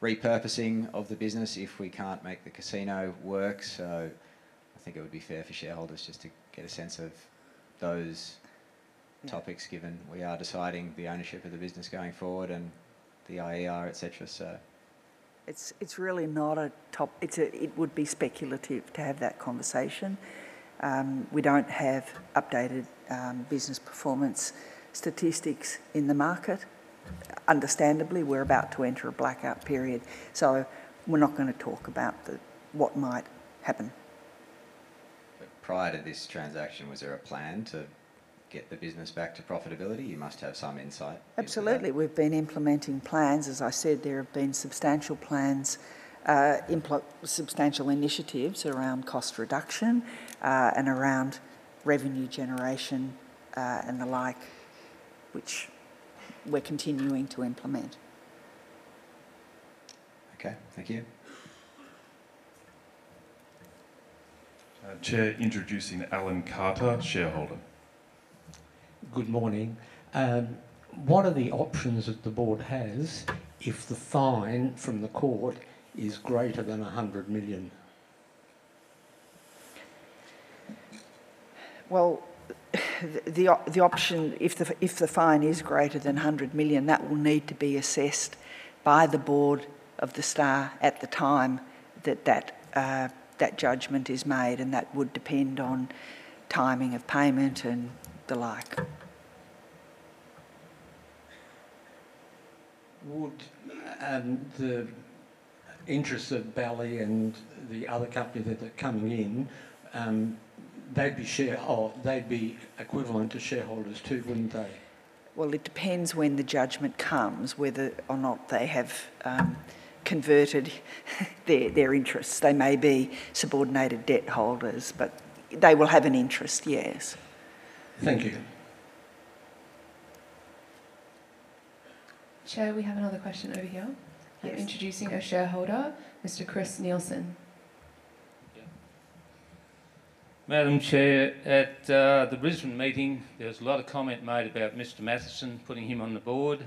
Speaker 10: repurposing of the business if we can't make the casino work. I think it would be fair for shareholders just to get a sense of those topics given we are deciding the ownership of the business going forward and the IER, etc.
Speaker 1: It's really not a topic—it would be speculative to have that conversation. We don't have updated business performance statistics in the market. Understandably, we're about to enter a blackout period. We're not going to talk about what might happen.
Speaker 10: Prior to this transaction, was there a plan to get the business back to profitability? You must have some insight.
Speaker 1: Absolutely. We've been implementing plans. As I said, there have been substantial plans, substantial initiatives around cost reduction and around revenue generation and the like, which we're continuing to implement. Thank you.
Speaker 2: Chair introducing Alan Carter, shareholder.
Speaker 11: Good morning. One of the options that the board has if the fine from the court is greater than 100 million.
Speaker 1: The option, if the fine is greater than 100 million, that will need to be assessed by the board of the Star at the time that that judgment is made. That would depend on timing of payment and the like.
Speaker 11: Would the interests of Bally's and the other company that are coming in, they'd be equivalent to shareholders too, wouldn't they?
Speaker 1: It depends when the judgment comes whether or not they have converted their interests. They may be subordinated debt holders, but they will have an interest, yes.
Speaker 11: Thank you.
Speaker 6: Chair, we have another question over here. Introducing a shareholder, Mr. Chris Nielsen.
Speaker 12: Madam Chair, at the Brisbane meeting, there was a lot of comment made about Mr. Matheson putting him on the board,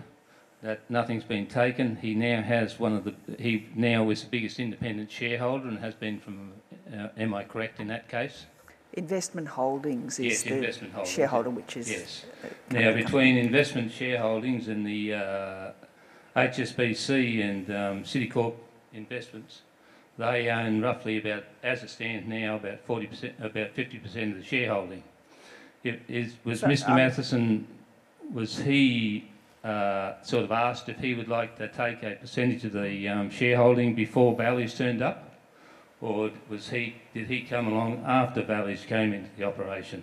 Speaker 12: that nothing's been taken. He now has one of the—he now is the biggest independent shareholder and has been from—am I correct in that case? Investment Holdings is the shareholder, which is—yes. Now, between Investment Holdings and the HSBC and Citicorp Investments, they own roughly about, as it stands now, about 50% of the shareholding. Was Mr. Matheson, was he sort of asked if he would like to take a percentage of the shareholding before Bally's turned up, or did he come along after Bally's came into the operation?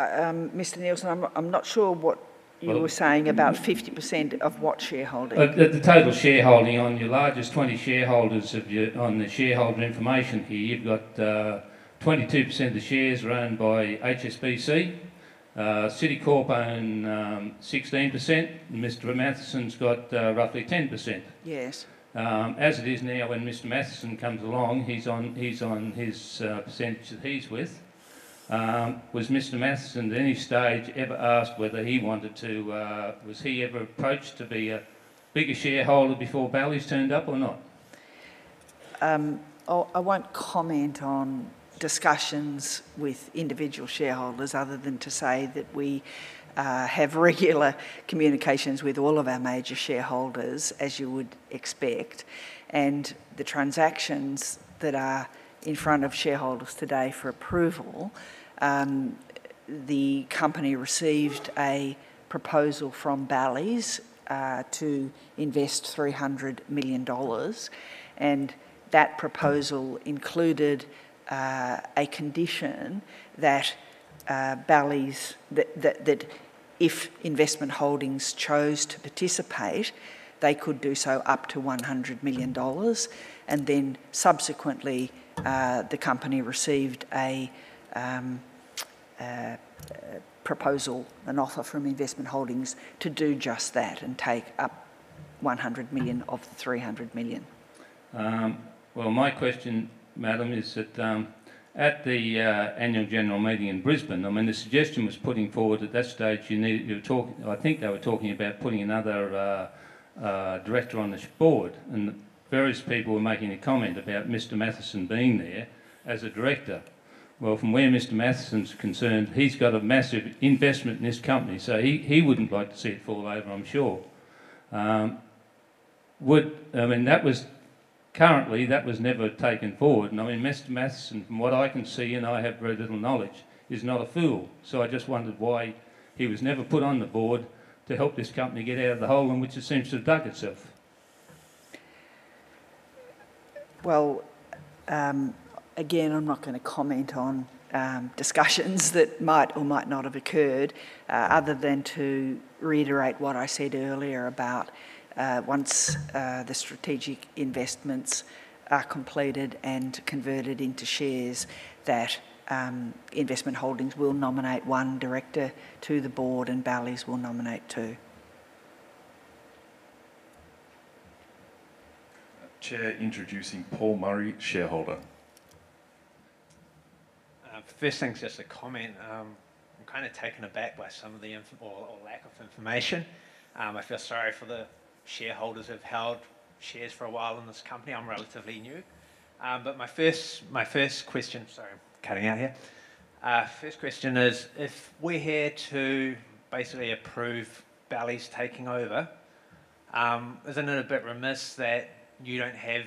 Speaker 1: Mr. Nielsen, I'm not sure what you were saying about 50% of what shareholding.
Speaker 12: The total shareholding on your largest 20 shareholders on the shareholder information here, you've got 22% of the shares are owned by HSBC. Citicorp own 16%. Mr. Matheson's got roughly 10%. As it is now, when Mr. Matheson comes along, he's on his percentage that he's with. Was Mr. Matheson at any stage ever asked whether he wanted to—was he ever approached to be a bigger shareholder before Bally's turned up or not?
Speaker 1: I won't comment on discussions with individual shareholders other than to say that we have regular communications with all of our major shareholders, as you would expect. The transactions that are in front of shareholders today for approval, the company received a proposal from Bally's to invest 300 million dollars. That proposal included a condition that Bally's, that if Investment Holdings chose to participate, they could do so up to 100 million dollars. Subsequently, the company received a proposal, an offer from Investment Holdings to do just that and take up 100 million of the 300 million.
Speaker 12: My question, Madam, is that at the annual general meeting in Brisbane, I mean, the suggestion was putting forward at that stage you needed to talk—I think they were talking about putting another director on the board. Various people were making a comment about Mr. Matheson being there as a director. From where Mr. Matheson is concerned, he's got a massive investment in this company. He would not like to see it fall over, I'm sure. I mean, currently, that was never taken forward. I mean, Mr. Matheson, from what I can see and I have very little knowledge, is not a fool. I just wondered why he was never put on the board to help this company get out of the hole, which essentially dug itself.
Speaker 1: Again, I'm not going to comment on discussions that might or might not have occurred other than to reiterate what I said earlier about once the strategic investments are completed and converted into shares, that Investment Holdings will nominate one director to the board and Bally's will nominate two.
Speaker 2: Chair introducing Paul Murray, shareholder.
Speaker 13: First thing's just a comment. I'm kind of taken aback by some of the lack of information. I feel sorry for the shareholders who have held shares for a while in this company. I'm relatively new. My first question—sorry, I'm cutting out here. First question is, if we're here to basically approve Bally's taking over, isn't it a bit remiss that you don't have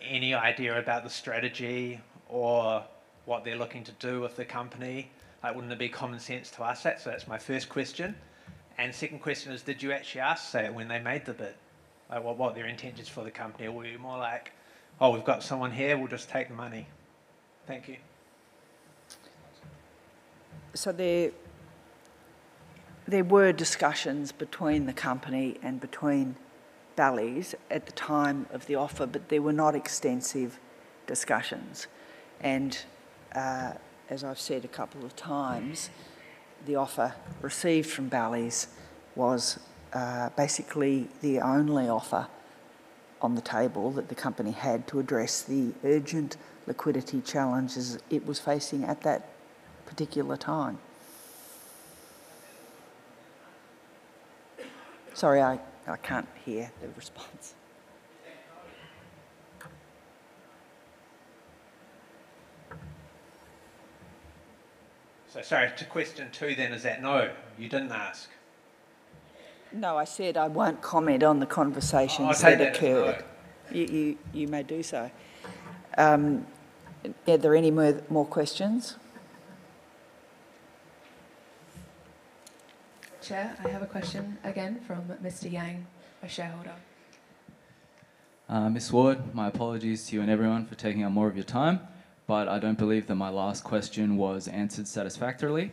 Speaker 13: any idea about the strategy or what they're looking to do with the company? Wouldn't it be common sense to ask that? That's my first question. Second question is, did you actually ask that when they made the bid? What were their intentions for the company? Or were you more like, "Oh, we've got someone here. We'll just take the money"? Thank you.
Speaker 1: There were discussions between the company and between Bally's at the time of the offer, but they were not extensive discussions. As I've said a couple of times, the offer received from Bally's was basically the only offer on the table that the company had to address the urgent liquidity challenges it was facing at that particular time. Sorry, I can't hear the response.
Speaker 13: Sorry, to question two then, is that no? You didn't ask.
Speaker 1: No, I said I won't comment on the conversations that occurred. You may do so. Are there any more questions?
Speaker 6: Chair, I have a question again from Mr. Yang, a shareholder.
Speaker 7: Mr. Ward, my apologies to you and everyone for taking up more of your time, but I don't believe that my last question was answered satisfactorily.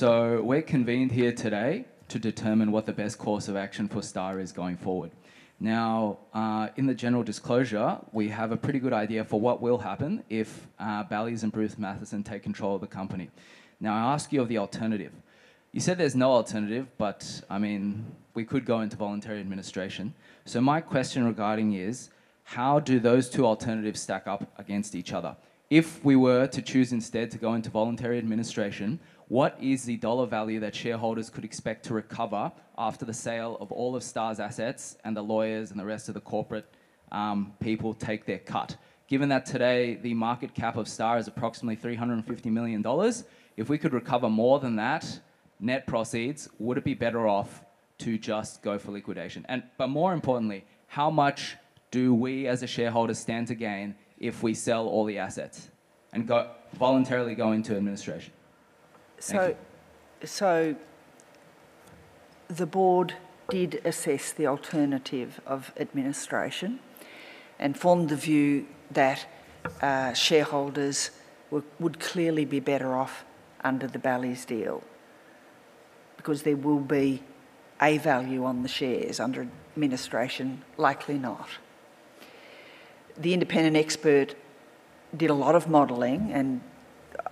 Speaker 7: We're convened here today to determine what the best course of action for Star is going forward. Now, in the general disclosure, we have a pretty good idea for what will happen if Bally's and Bruce Matheson take control of the company. Now, I ask you of the alternative. You said there's no alternative, but I mean, we could go into voluntary administration. My question regarding is, how do those two alternatives stack up against each other? If we were to choose instead to go into voluntary administration, what is the dollar value that shareholders could expect to recover after the sale of all of Star's assets and the lawyers and the rest of the corporate people take their cut? Given that today the market cap of Star is approximately 350 million dollars, if we could recover more than that net proceeds, would it be better off to just go for liquidation? More importantly, how much do we as a shareholder stand to gain if we sell all the assets and voluntarily go into administration?
Speaker 1: The board did assess the alternative of administration and formed the view that shareholders would clearly be better off under the Bally's deal because there will be a value on the shares under administration, likely not. The independent expert did a lot of modeling, and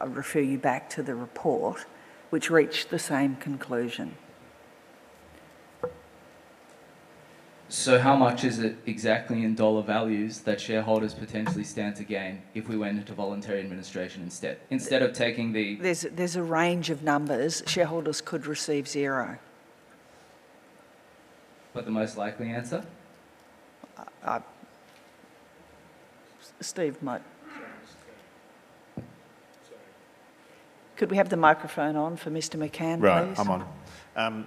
Speaker 1: I'll refer you back to the report, which reached the same conclusion.
Speaker 7: How much is it exactly in dollar values that shareholders potentially stand to gain if we went into voluntary administration instead of taking the—
Speaker 1: there's a range of numbers. Shareholders could receive zero.
Speaker 7: The most likely answer? Steve might.
Speaker 1: Could we have the microphone on for Mr. McCann, please? Right. I'm on.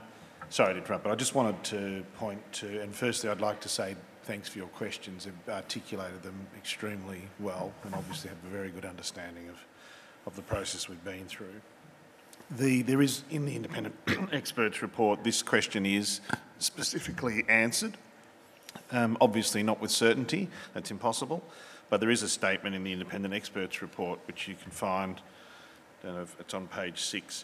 Speaker 4: Sorry to interrupt, but I just wanted to point to, and firstly, I'd like to say thanks for your questions. You've articulated them extremely well and obviously have a very good understanding of the process we've been through. There is, in the independent expert's report, this question is specifically answered. Obviously, not with certainty. That's impossible. There is a statement in the independent expert's report, which you can find, I do not know if it is on page six,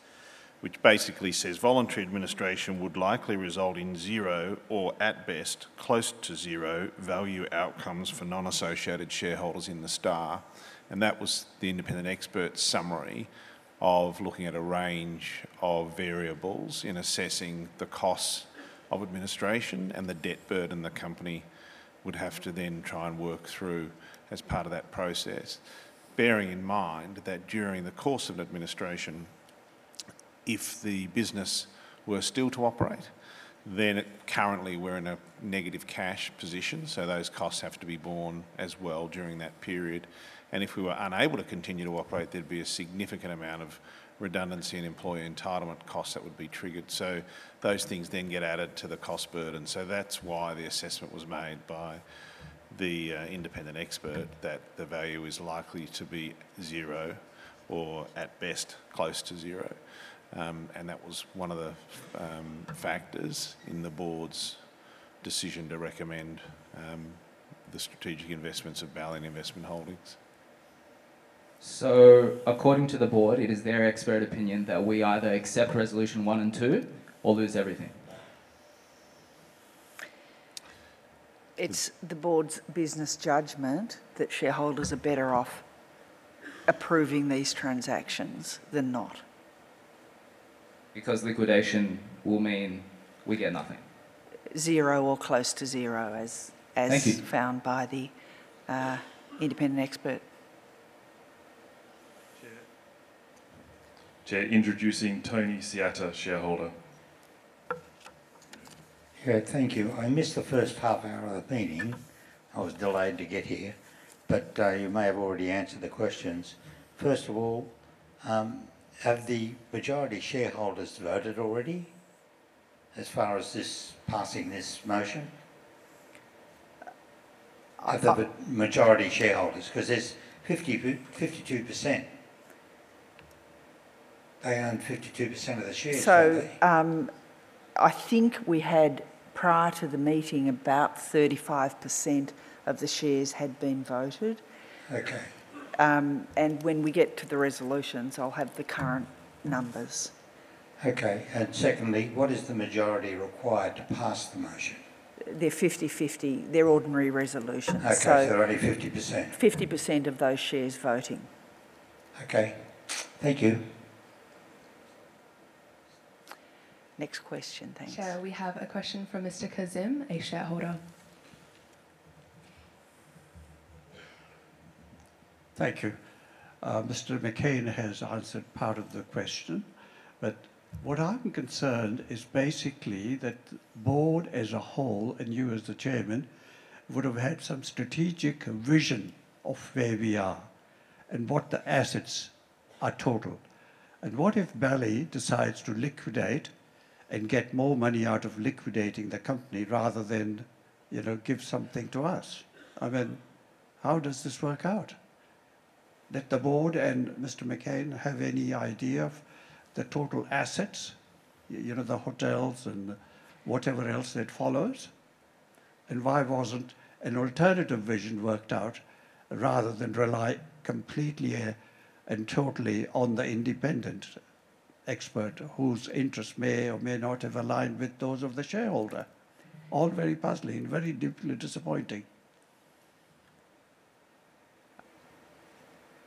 Speaker 4: which basically says, "Voluntary administration would likely result in zero or at best close to zero value outcomes for non-associated shareholders in the Star." That was the independent expert's summary of looking at a range of variables in assessing the costs of administration and the debt burden the company would have to then try and work through as part of that process, bearing in mind that during the course of administration, if the business were still to operate, then currently we are in a negative cash position. Those costs have to be borne as well during that period. If we were unable to continue to operate, there would be a significant amount of redundancy and employee entitlement costs that would be triggered. Those things then get added to the cost burden. That is why the assessment was made by the independent expert that the value is likely to be zero or at best close to zero. That was one of the factors in the board's decision to recommend the strategic investments of Bally's and Investment Holdings.
Speaker 7: According to the board, it is their expert opinion that we either accept resolution one and two or lose everything.
Speaker 1: It is the board's business judgment that shareholders are better off approving these transactions than not,
Speaker 7: because liquidation will mean we get nothing.
Speaker 1: Zero or close to zero, as found by the independent expert.
Speaker 2: Chair introducing Tony Siatta, shareholder.
Speaker 14: Thank you. I missed the first half hour of the meeting. I was delayed to get here, but you may have already answered the questions. First of all, have the majority shareholders voted already as far as passing this motion? I thought the majority shareholders, because there's 52%. They own 52% of the shares.
Speaker 1: I think we had, prior to the meeting, about 35% of the shares had been voted. When we get to the resolutions, I'll have the current numbers.
Speaker 14: Okay. Secondly, what is the majority required to pass the motion?
Speaker 1: They're 50/50. They're ordinary resolutions. Okay. So only 50%. 50% of those shares voting.
Speaker 14: Okay. Thank you.
Speaker 1: Next question, thanks.
Speaker 6: Chair, we have a question from Mr. Kazim, a shareholder.
Speaker 7: Thank you. Mr. McCann has answered part of the question, but what I'm concerned is basically that the board as a whole, and you as the chairman, would have had some strategic vision of where we are and what the assets are total. What if Bally's decides to liquidate and get more money out of liquidating the company rather than give something to us? I mean, how does this work out? Did the board and Mr. McCann have any idea of the total assets, the hotels and whatever else that follows? Why was an alternative vision not worked out rather than rely completely and totally on the independent expert whose interests may or may not have aligned with those of the shareholder? All very puzzling and very deeply disappointing.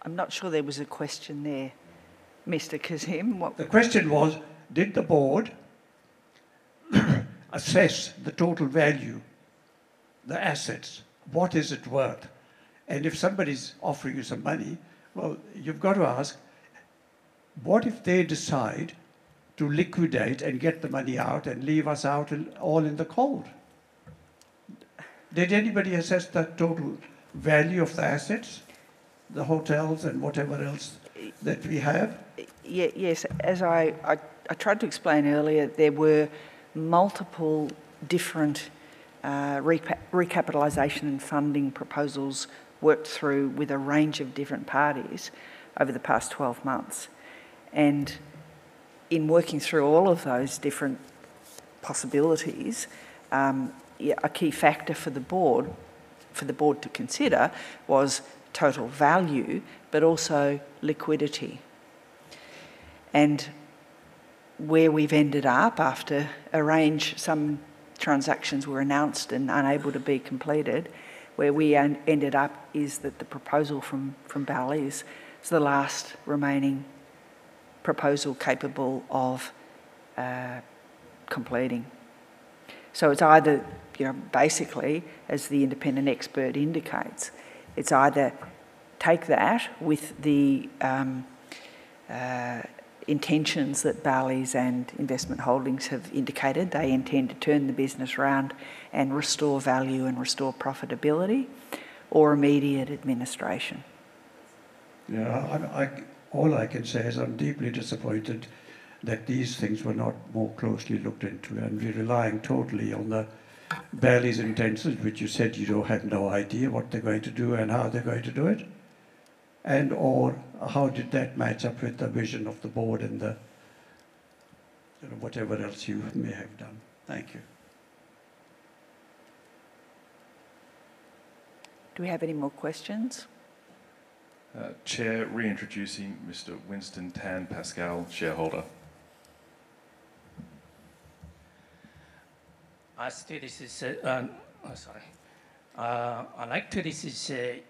Speaker 1: I'm not sure there was a question there, Mr. Kazim.
Speaker 7: The question was, did the board assess the total value, the assets? What is it worth? If somebody is offering you some money, you have to ask, what if they decide to liquidate and get the money out and leave us all out in the cold? Did anybody assess the total value of the assets, the hotels and whatever else that we have?
Speaker 1: Yes. As I tried to explain earlier, there were multiple different recapitalization and funding proposals worked through with a range of different parties over the past 12 months. In working through all of those different possibilities, a key factor for the board to consider was total value, but also liquidity. Where we have ended up after a range, some transactions were announced and unable to be completed, where we ended up is that the proposal from Bally's is the last remaining proposal capable of completing. It is either, basically, as the independent expert indicates, it is either take that with the intentions that Bally's and Investment Holdings have indicated. They intend to turn the business around and restore value and restore profitability or immediate administration.
Speaker 7: Yeah. All I can say is I'm deeply disappointed that these things were not more closely looked into and we're relying totally on Bally's intentions, which you said you don't have no idea what they're going to do and how they're going to do it. Or how did that match up with the vision of the board and whatever else you may have done? Thank you.
Speaker 1: Do we have any more questions?
Speaker 2: Chair reintroducing Mr. Winston Tan Pascal, shareholder.
Speaker 8: I like to disagree with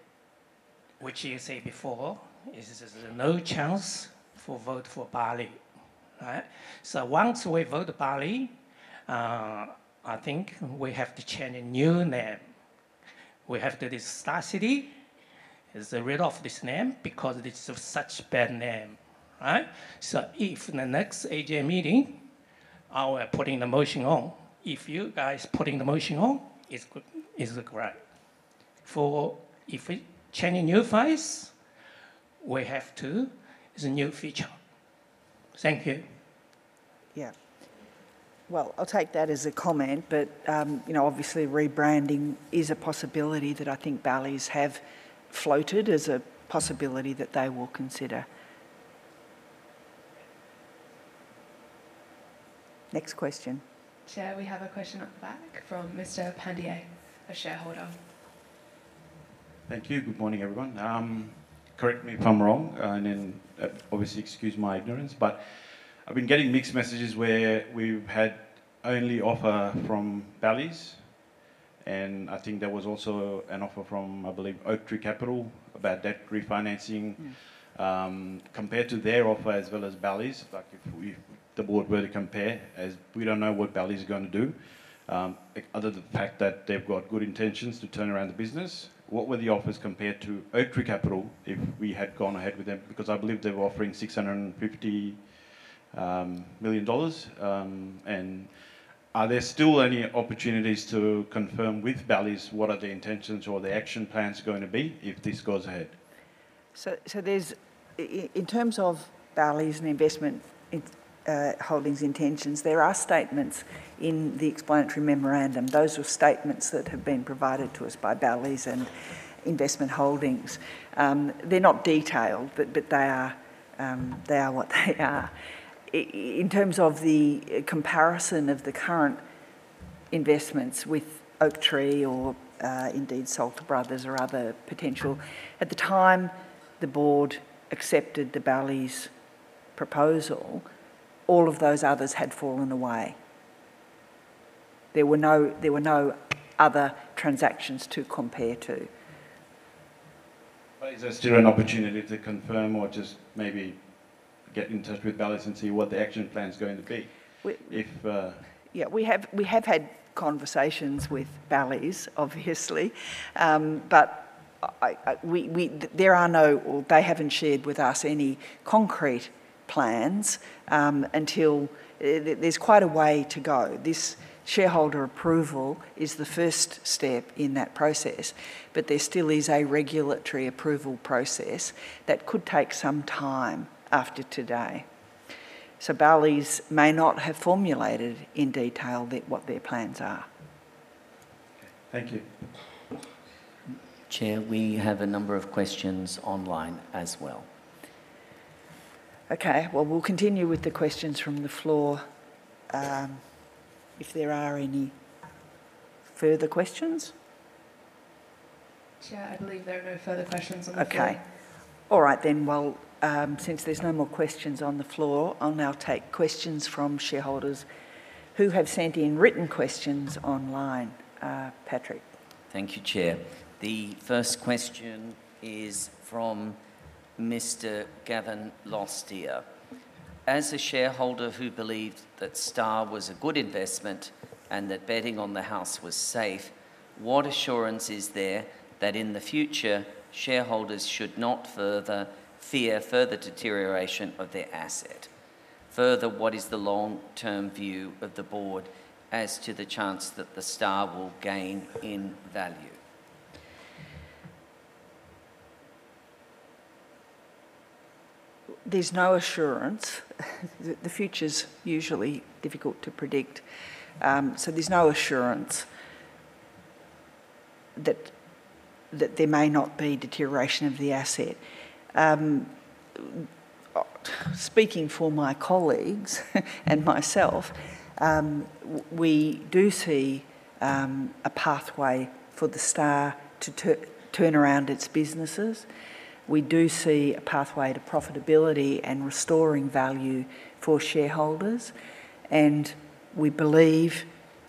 Speaker 8: what you said before. This is a no-chance for vote for Bally, right? Once we vote Bally, I think we have to change a new name. We have to do Star City. It's a rid of this name because it's such a bad name, right? If in the next AJ meeting, I will be putting the motion on. If you guys are putting the motion on, it's great. If we change a new face, we have to. It's a new feature. Thank you.
Speaker 1: Yeah. I'll take that as a comment, but obviously, rebranding is a possibility that I think Bally's have floated as a possibility that they will consider. Next question.
Speaker 6: Chair, we have a question up the back from Mr. Pandier, a shareholder.
Speaker 7: Thank you. Good morning, everyone. Correct me if I'm wrong, and then obviously excuse my ignorance, but I've been getting mixed messages where we've had only offer from Bally's, and I think there was also an offer from, I believe, Oaktree Capital about debt refinancing. Compared to their offer as well as Bally's, if the board were to compare, as we do not know what Bally's are going to do, other than the fact that they have got good intentions to turn around the business, what were the offers compared to Oaktree Capital if we had gone ahead with them? Because I believe they were offering 650 million dollars. Are there still any opportunities to confirm with Bally's what the intentions or the action plans are going to be if this goes ahead?
Speaker 1: In terms of Bally's and Investment Holdings' intentions, there are statements in the explanatory memorandum. Those are statements that have been provided to us by Bally's and Investment Holdings. They are not detailed, but they are what they are. In terms of the comparison of the current investments with Oaktree or indeed Salter Brothers or other potential, at the time the board accepted the Bally's proposal, all of those others had fallen away. There were no other transactions to compare to.
Speaker 7: Is there still an opportunity to confirm or just maybe get in touch with Bally's and see what the action plan's going to be?
Speaker 1: Yeah. We have had conversations with Bally's, obviously, but they have not shared with us any concrete plans until there is quite a way to go. This shareholder approval is the first step in that process, but there still is a regulatory approval process that could take some time after today. Bally's may not have formulated in detail what their plans are.
Speaker 7: Okay. Thank you.
Speaker 2: Chair, we have a number of questions online as well. Okay.
Speaker 1: We'll continue with the questions from the floor if there are any further questions. Chair, I believe there are no further questions on the floor. Okay. All right then. Since there's no more questions on the floor, I'll now take questions from shareholders who have sent in written questions online.
Speaker 2: Patrick. Thank you, Chair. The first question is from Mr. Gavin Lostia. As a shareholder who believed that Star was a good investment and that betting on the house was safe, what assurance is there that in the future, shareholders should not fear further deterioration of their asset? Further, what is the long-term view of the board as to the chance that the Star will gain in value?
Speaker 1: There's no assurance. The future's usually difficult to predict. So there's no assurance that there may not be deterioration of the asset. Speaking for my colleagues and myself, we do see a pathway for the Star to turn around its businesses. We do see a pathway to profitability and restoring value for shareholders. We believe,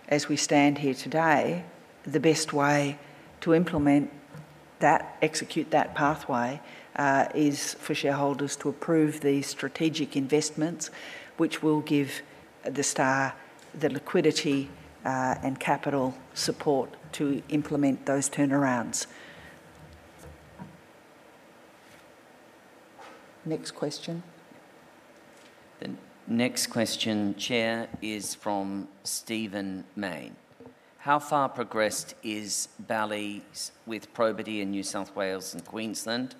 Speaker 1: as we stand here today, the best way to implement that, execute that pathway, is for shareholders to approve these strategic investments, which will give the Star the liquidity and capital support to implement those turnarounds. Next question.
Speaker 2: The next question, Chair, is from Stephen Main. How far progressed is Bally's with probity in New South Wales and Queensland?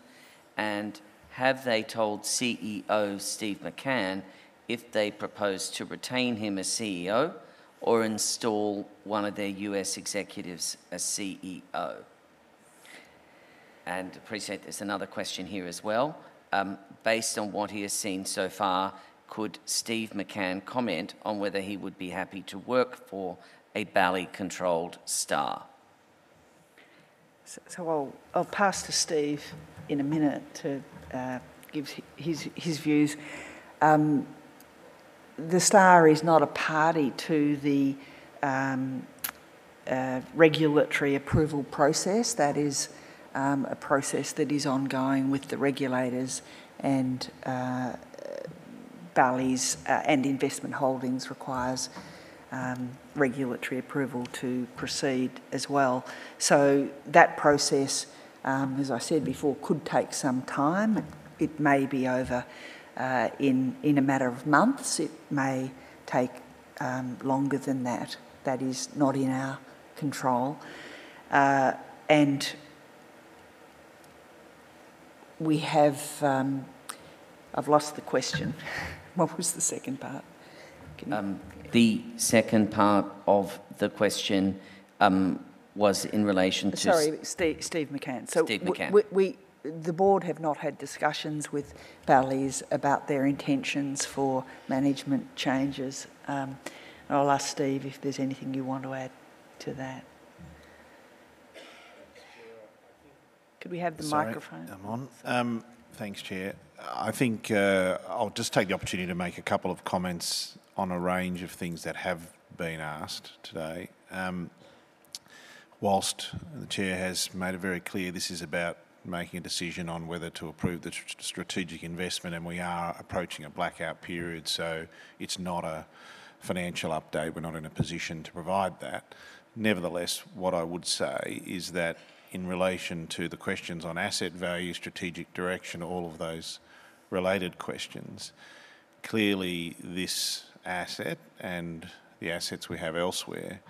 Speaker 2: Have they told CEO Steve McCann if they propose to retain him as CEO or install one of their US executives as CEO? Appreciate there's another question here as well. Based on what he has seen so far, could Steve McCann comment on whether he would be happy to work for a Bally's-controlled Star?
Speaker 1: I'll pass to Steve in a minute to give his views. The Star is not a party to the regulatory approval process. That is a process that is ongoing with the regulators, and Bally's and Investment Holdings requires regulatory approval to proceed as well. That process, as I said before, could take some time. It may be over in a matter of months. It may take longer than that. That is not in our control. I've lost the question. What was the second part?
Speaker 2: The second part of the question was in relation to—
Speaker 1: Sorry, Steve McCann. The board have not had discussions with Bally's about their intentions for management changes. I'll ask Steve if there's anything you want to add to that. Could we have the microphone? I'm on. Thanks, Chair.
Speaker 4: I think I'll just take the opportunity to make a couple of comments on a range of things that have been asked today. Whilst the Chair has made it very clear this is about making a decision on whether to approve the strategic investment, and we are approaching a blackout period, so it's not a financial update. We're not in a position to provide that. Nevertheless, what I would say is that in relation to the questions on asset value, strategic direction, all of those related questions, clearly this asset and the assets we have elsewhere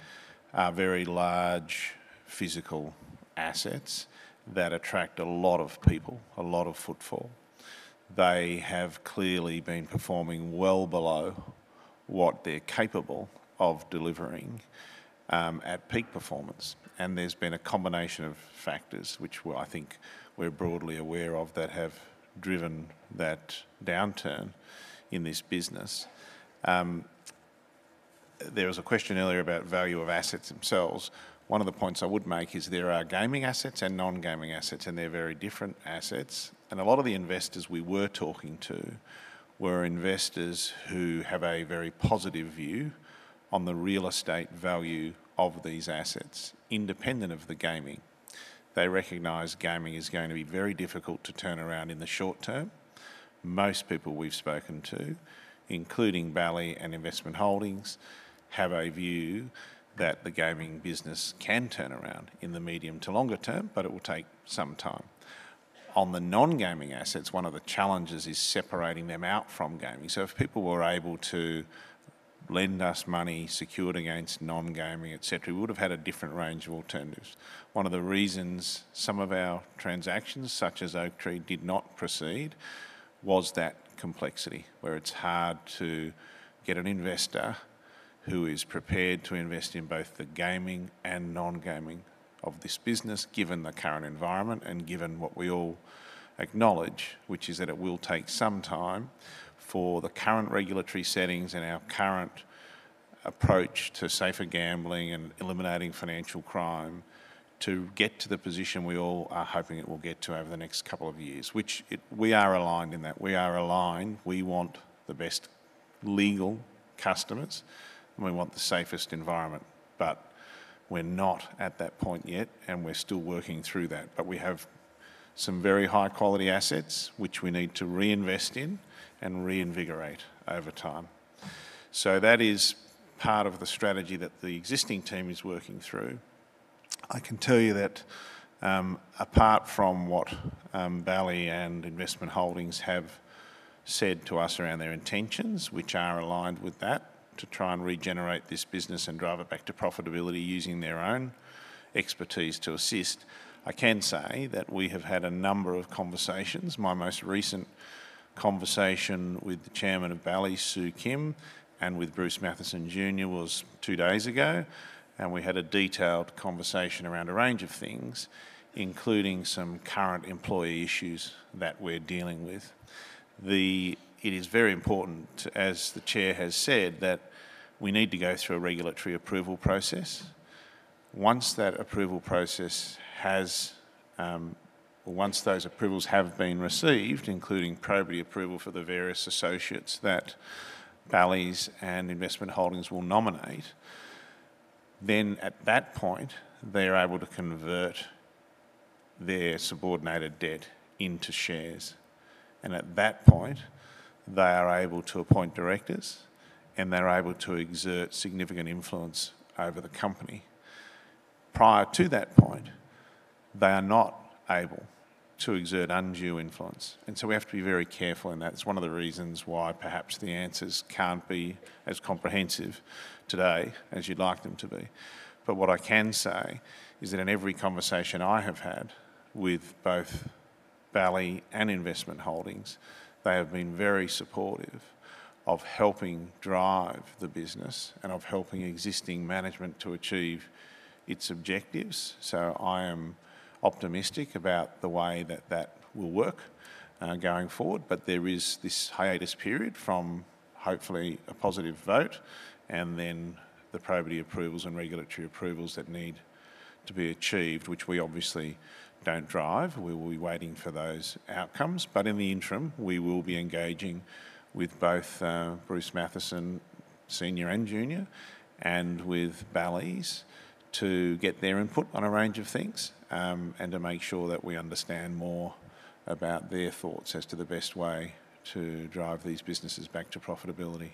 Speaker 4: are very large physical assets that attract a lot of people, a lot of footfall. They have clearly been performing well below what they're capable of delivering at peak performance. There's been a combination of factors, which I think we're broadly aware of, that have driven that downturn in this business. There was a question earlier about value of assets themselves. One of the points I would make is there are gaming assets and non-gaming assets, and they are very different assets. A lot of the investors we were talking to were investors who have a very positive view on the real estate value of these assets, independent of the gaming. They recognize gaming is going to be very difficult to turn around in the short term. Most people we have spoken to, including Bally's and Investment Holdings, have a view that the gaming business can turn around in the medium to longer term, but it will take some time. On the non-gaming assets, one of the challenges is separating them out from gaming. If people were able to lend us money secured against non-gaming, etc., we would have had a different range of alternatives. One of the reasons some of our transactions, such as Oaktree, did not proceed was that complexity, where it's hard to get an investor who is prepared to invest in both the gaming and non-gaming of this business, given the current environment and given what we all acknowledge, which is that it will take some time for the current regulatory settings and our current approach to safer gambling and eliminating financial crime to get to the position we all are hoping it will get to over the next couple of years, which we are aligned in that. We are aligned. We want the best legal customers, and we want the safest environment. We are not at that point yet, and we are still working through that. We have some very high-quality assets, which we need to reinvest in and reinvigorate over time. That is part of the strategy that the existing team is working through. I can tell you that apart from what Bally's and Investment Holdings have said to us around their intentions, which are aligned with that to try and regenerate this business and drive it back to profitability using their own expertise to assist, I can say that we have had a number of conversations. My most recent conversation with the Chairman of Bally's, Sue Kim, and with Bruce Matheson Jr. was two days ago, and we had a detailed conversation around a range of things, including some current employee issues that we're dealing with. It is very important, as the Chair has said, that we need to go through a regulatory approval process. Once that approval process has—once those approvals have been received, including Probity approval for the various associates that Bally's and Investment Holdings will nominate, then at that point, they are able to convert their subordinated debt into shares. At that point, they are able to appoint directors, and they're able to exert significant influence over the company. Prior to that point, they are not able to exert undue influence. We have to be very careful in that. It's one of the reasons why perhaps the answers can't be as comprehensive today as you'd like them to be. What I can say is that in every conversation I have had with both Bally's and Investment Holdings, they have been very supportive of helping drive the business and of helping existing management to achieve its objectives. I am optimistic about the way that that will work going forward. There is this hiatus period from hopefully a positive vote and then the Probity approvals and regulatory approvals that need to be achieved, which we obviously do not drive. We will be waiting for those outcomes. In the interim, we will be engaging with both Bruce Matheson, Senior and Junior, and with Bally's to get their input on a range of things and to make sure that we understand more about their thoughts as to the best way to drive these businesses back to profitability.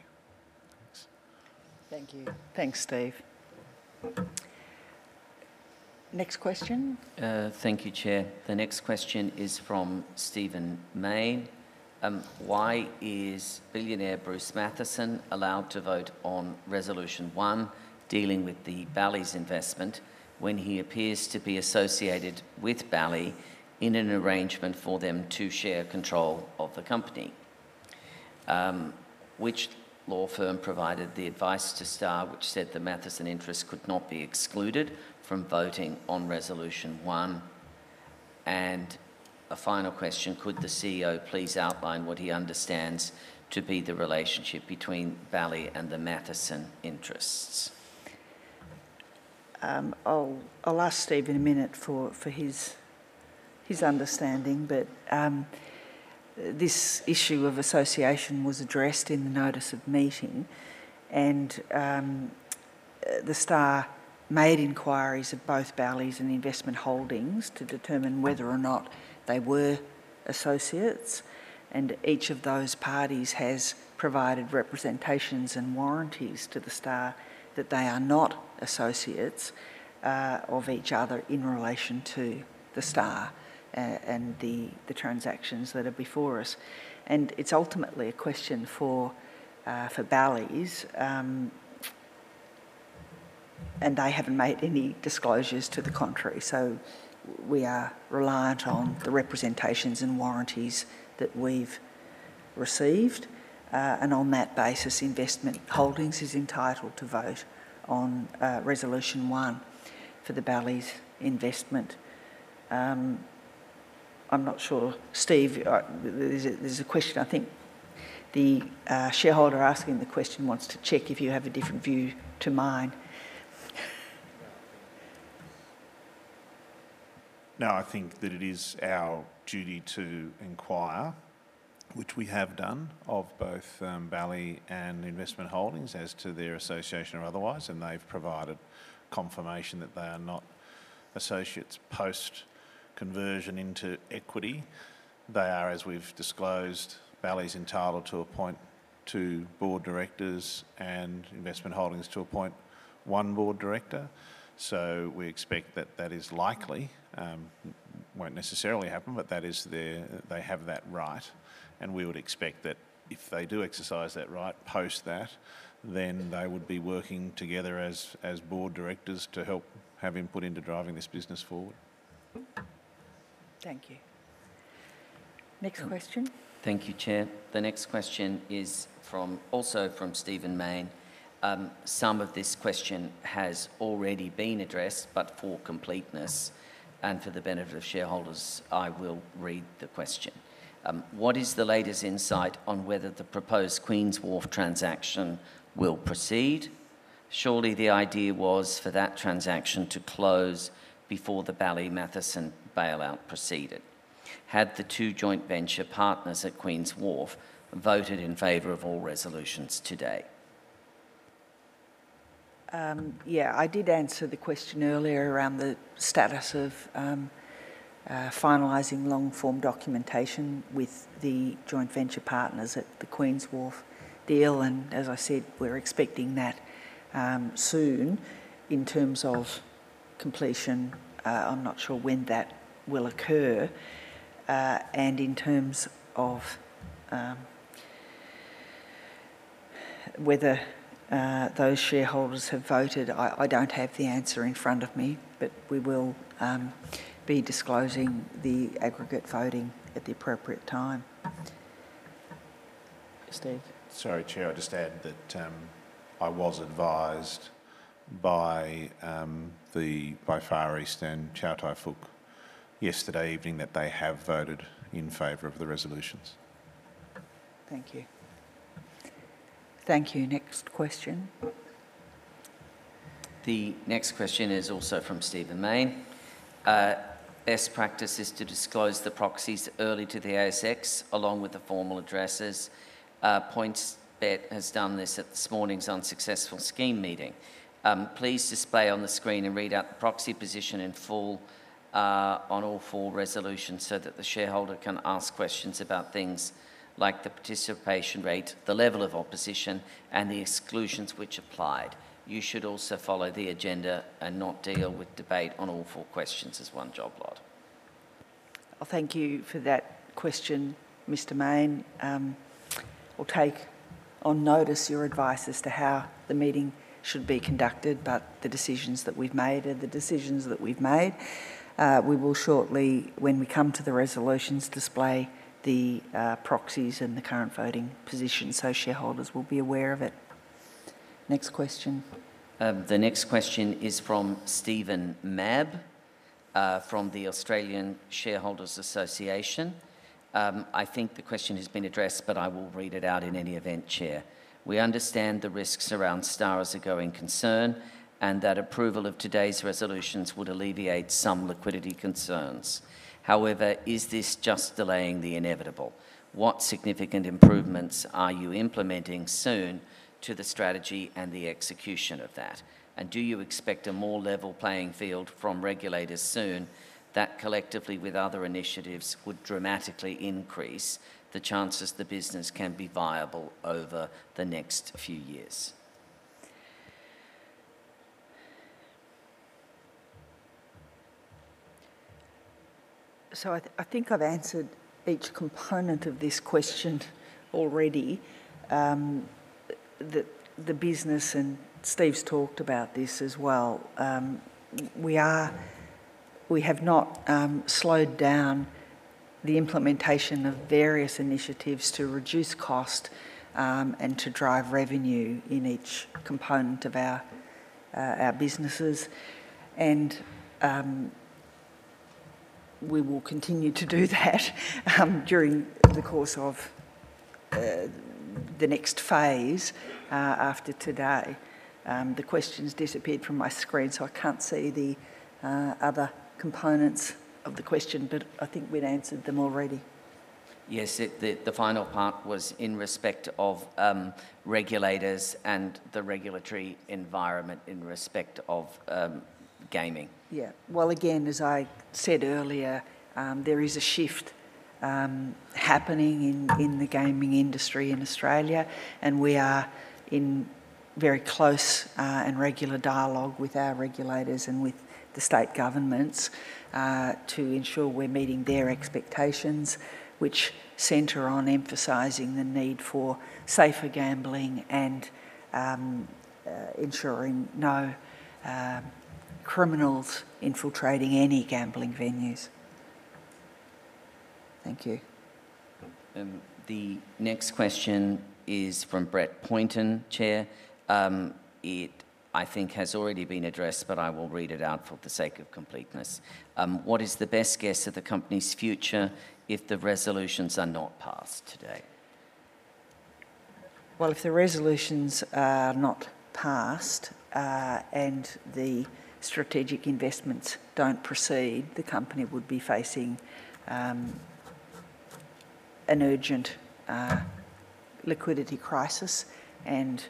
Speaker 4: Thanks.
Speaker 1: Thank you. Thanks, Steve. Next question.
Speaker 2: Thank you, Chair. The next question is from Stephen Main. Why is billionaire Bruce Matheson allowed to vote on Resolution 1, dealing with the Bally's investment, when he appears to be associated with Bally's in an arrangement for them to share control of the company? Which law firm provided the advice to Star, which said the Matheson interests could not be excluded from voting on Resolution 1? A final question. Could the CEO please outline what he understands to be the relationship between Bally's and the Matheson interests?
Speaker 1: I'll ask Steve in a minute for his understanding. This issue of association was addressed in the notice of meeting, and the Star made inquiries of both Bally's and Investment Holdings to determine whether or not they were associates. Each of those parties has provided representations and warranties to the Star that they are not associates of each other in relation to the Star and the transactions that are before us. It is ultimately a question for Bally's, and they have not made any disclosures to the contrary. We are reliant on the representations and warranties that we have received. On that basis, Investment Holdings is entitled to vote on Resolution 1 for the Bally's investment. I am not sure. Steve, there is a question. I think the shareholder asking the question wants to check if you have a different view to mine.
Speaker 4: No, I think that it is our duty to inquire, which we have done of both Bally's and Investment Holdings as to their association or otherwise. They have provided confirmation that they are not associates post-conversion into equity. They are, as we've disclosed, Bally's entitled to appoint two board directors and Investment Holdings to appoint one board director. We expect that that is likely. It will not necessarily happen, but that is their—they have that right. We would expect that if they do exercise that right post that, then they would be working together as board directors to help have input into driving this business forward. Thank you. Next question.
Speaker 2: Thank you, Chair. The next question is also from Stephen Main. Some of this question has already been addressed, but for completeness and for the benefit of shareholders, I will read the question. What is the latest insight on whether the proposed Queens Wharf transaction will proceed? Surely the idea was for that transaction to close before the Bally-Matheson bailout proceeded. Had the two joint venture partners at Queens Wharf voted in favor of all resolutions today?
Speaker 1: Yeah, I did answer the question earlier around the status of finalizing long-form documentation with the joint venture partners at the Queens Wharf deal. As I said, we're expecting that soon. In terms of completion, I'm not sure when that will occur. In terms of whether those shareholders have voted, I don't have the answer in front of me, but we will be disclosing the aggregate voting at the appropriate time. Steve?
Speaker 4: Sorry, Chair. I just add that I was advised by the Far East and Chow Tai Fook yesterday evening that they have voted in favor of the resolutions.
Speaker 1: Thank you. Thank you. Next question.
Speaker 2: The next question is also from Stephen Main. Best practice is to disclose the proxies early to the ASX, along with the formal addresses. PointsBet has done this at this morning's unsuccessful scheme meeting. Please display on the screen and read out the proxy position in full on all four resolutions so that the shareholder can ask questions about things like the participation rate, the level of opposition, and the exclusions which applied. You should also follow the agenda and not deal with debate on all four questions as one job lot.
Speaker 1: Thank you for that question, Mr. Main. I'll take on notice your advice as to how the meeting should be conducted, but the decisions that we've made are the decisions that we've made. We will shortly, when we come to the resolutions, display the proxies and the current voting position so shareholders will be aware of it. Next question.
Speaker 2: The next question is from Stephen Mab from the Australian Shareholders Association. I think the question has been addressed, but I will read it out in any event, Chair. We understand the risks around Star as a going concern and that approval of today's resolutions would alleviate some liquidity concerns. However, is this just delaying the inevitable? What significant improvements are you implementing soon to the strategy and the execution of that? Do you expect a more level playing field from regulators soon that collectively with other initiatives would dramatically increase the chances the business can be viable over the next few years?
Speaker 1: I think I've answered each component of this question already. The business, and Steve's talked about this as well. We have not slowed down the implementation of various initiatives to reduce cost and to drive revenue in each component of our businesses. We will continue to do that during the course of the next phase after today. The question's disappeared from my screen, so I can't see the other components of the question, but I think we'd answered them already. Yes, the final part was in respect of regulators and the regulatory environment in respect of gaming. Yeah. As I said earlier, there is a shift happening in the gaming industry in Australia, and we are in very close and regular dialogue with our regulators and with the state governments to ensure we're meeting their expectations, which center on emphasizing the need for safer gambling and ensuring no criminals infiltrating any gambling venues. Thank you.
Speaker 2: The next question is from Brett Poynton, Chair. It, I think, has already been addressed, but I will read it out for the sake of completeness. What is the best guess at the company's future if the resolutions are not passed today?
Speaker 1: If the resolutions are not passed and the strategic investments do not proceed, the company would be facing an urgent liquidity crisis, and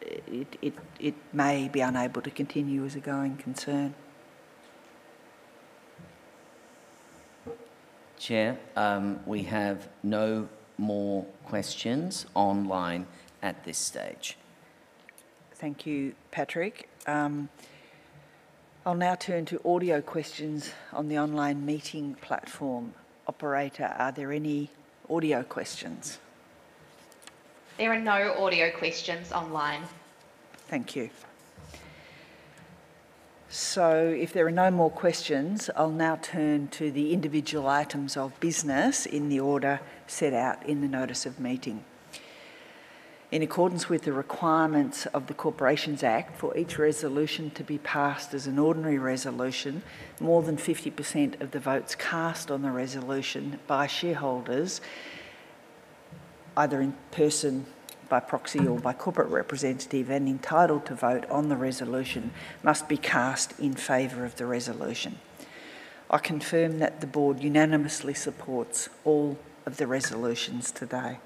Speaker 1: it may be unable to continue as a going concern.
Speaker 2: Chair, we have no more questions online at this stage.
Speaker 1: Thank you, Patrick. I will now turn to audio questions on the online meeting platform operator. Are there any audio questions?
Speaker 15: There are no audio questions online.
Speaker 1: Thank you. If there are no more questions, I will now turn to the individual items of business in the order set out in the notice of meeting. In accordance with the requirements of the Corporations Act, for each resolution to be passed as an ordinary resolution, more than 50% of the votes cast on the resolution by shareholders, either in person, by proxy, or by corporate representative, and entitled to vote on the resolution must be cast in favor of the resolution. I confirm that the board unanimously supports all of the resolutions today.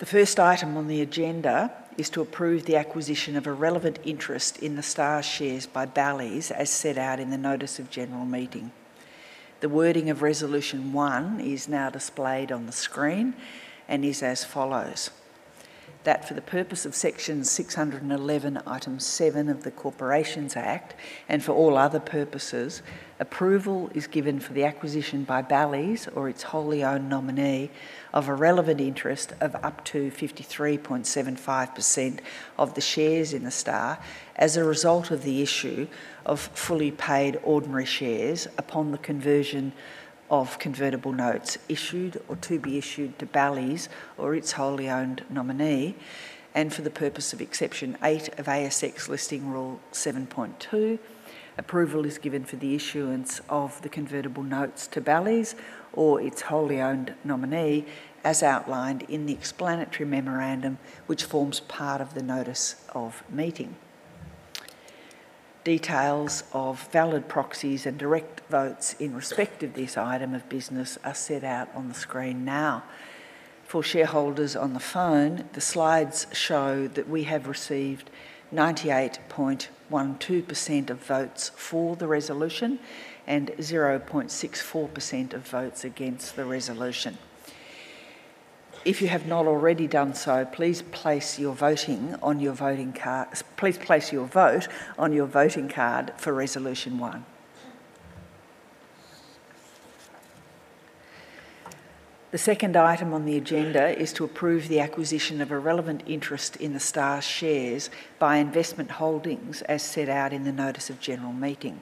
Speaker 1: The first item on the agenda is to approve the acquisition of a relevant interest in the Star shares by Bally's, as set out in the notice of general meeting. The wording of Resolution 1 is now displayed on the screen and is as follows: That for the purpose of Section 611, item 7 of the Corporations Act, and for all other purposes, approval is given for the acquisition by Bally's or its wholly owned nominee of a relevant interest of up to 53.75% of the shares in the Star as a result of the issue of fully paid ordinary shares upon the conversion of convertible notes issued or to be issued to Bally's or its wholly owned nominee. For the purpose of Exception 8 of ASX Listing Rule 7.2, approval is given for the issuance of the convertible notes to Bally's or its wholly owned nominee as outlined in the explanatory memorandum, which forms part of the notice of meeting. Details of valid proxies and direct votes in respect of this item of business are set out on the screen now. For shareholders on the phone, the slides show that we have received 98.12% of votes for the resolution and 0.64% of votes against the resolution. If you have not already done so, please place your voting on your voting card for Resolution 1. The second item on the agenda is to approve the acquisition of a relevant interest in the Star shares by Investment Holdings as set out in the notice of general meeting.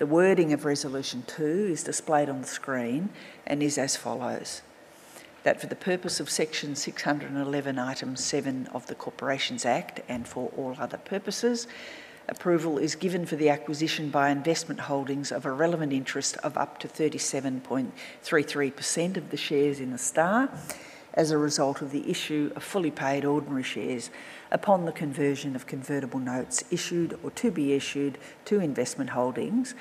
Speaker 1: The wording of Resolution two is displayed on the screen and is as follows: That for the purpose of Section 611, item 7 of the Corporations Act, and for all other purposes, approval is given for the acquisition by Investment Holdings of a relevant interest of up to 37.33% of the shares in the Star as a result of the issue of fully paid ordinary shares upon the conversion of convertible notes issued or to be issued to Investment Holdings.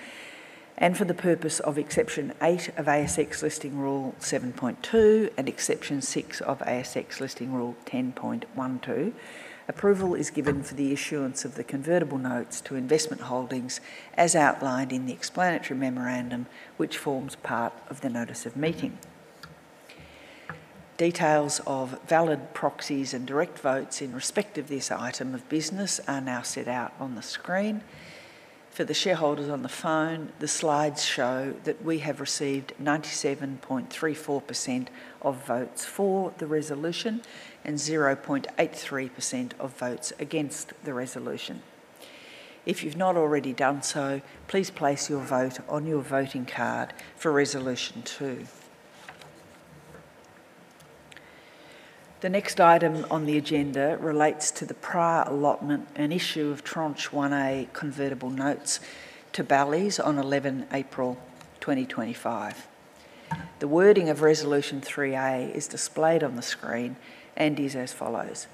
Speaker 1: For the purpose of Exception 8 of ASX Listing Rule 7.2 and Exception 6 of ASX Listing Rule 10.12, approval is given for the issuance of the convertible notes to Investment Holdings as outlined in the explanatory memorandum, which forms part of the notice of meeting. Details of valid proxies and direct votes in respect of this item of business are now set out on the screen. For the shareholders on the phone, the slides show that we have received 97.34% of votes for the resolution and 0.83% of votes against the resolution. If you've not already done so, please place your vote on your voting card for Resolution 2. The next item on the agenda relates to the prior allotment and issue of tranche 1A convertible notes to Bally's on 11 April 2025. The wording of Resolution 3A is displayed on the screen and is as follows: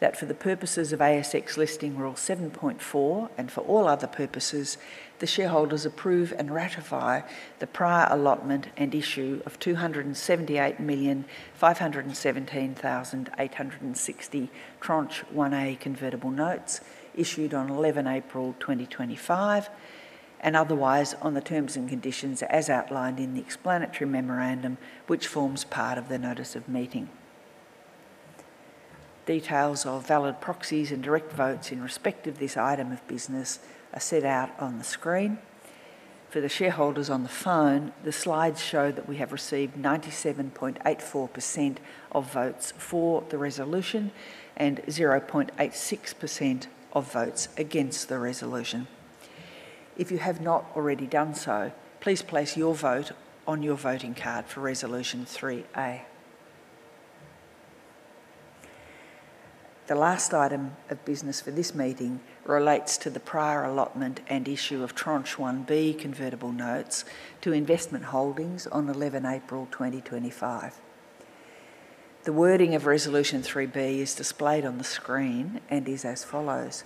Speaker 1: That for the purposes of ASX Listing Rule 7.4 and for all other purposes, the shareholders approve and ratify the prior allotment and issue of 278,517,860 tranche 1A convertible notes issued on 11 April 2025 and otherwise on the terms and conditions as outlined in the explanatory memorandum, which forms part of the notice of meeting. Details of valid proxies and direct votes in respect of this item of business are set out on the screen. For the shareholders on the phone, the slides show that we have received 97.84% of votes for the resolution and 0.86% of votes against the resolution. If you have not already done so, please place your vote on your voting card for Resolution 3A. The last item of business for this meeting relates to the prior allotment and issue of tranche 1B convertible notes to Investment Holdings on 11 April 2025. The wording of Resolution 3B is displayed on the screen and is as follows: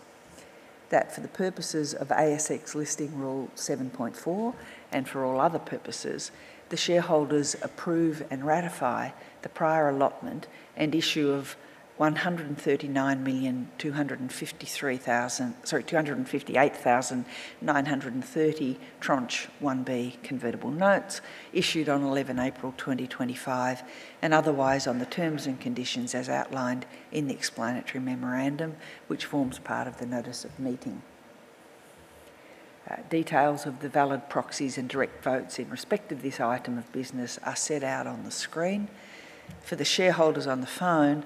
Speaker 1: That for the purposes of ASX Listing Rule 7.4 and for all other purposes, the shareholders approve and ratify the prior allotment and issue of 139,258,930 tranche 1B convertible notes issued on 11 April 2025 and otherwise on the terms and conditions as outlined in the explanatory memorandum, which forms part of the notice of meeting. Details of the valid proxies and direct votes in respect of this item of business are set out on the screen. For the shareholders on the phone,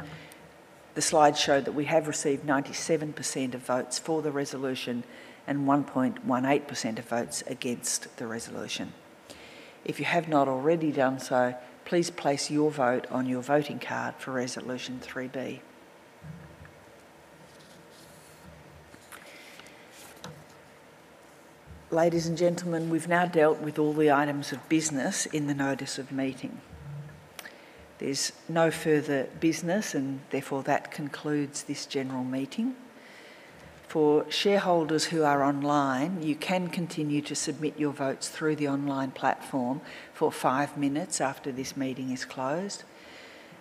Speaker 1: the slides show that we have received 97% of votes for the resolution and 1.18% of votes against the resolution. If you have not already done so, please place your vote on your voting card for Resolution 3B. Ladies and gentlemen, we've now dealt with all the items of business in the notice of meeting. There's no further business, and therefore that concludes this general meeting. For shareholders who are online, you can continue to submit your votes through the online platform for five minutes after this meeting is closed.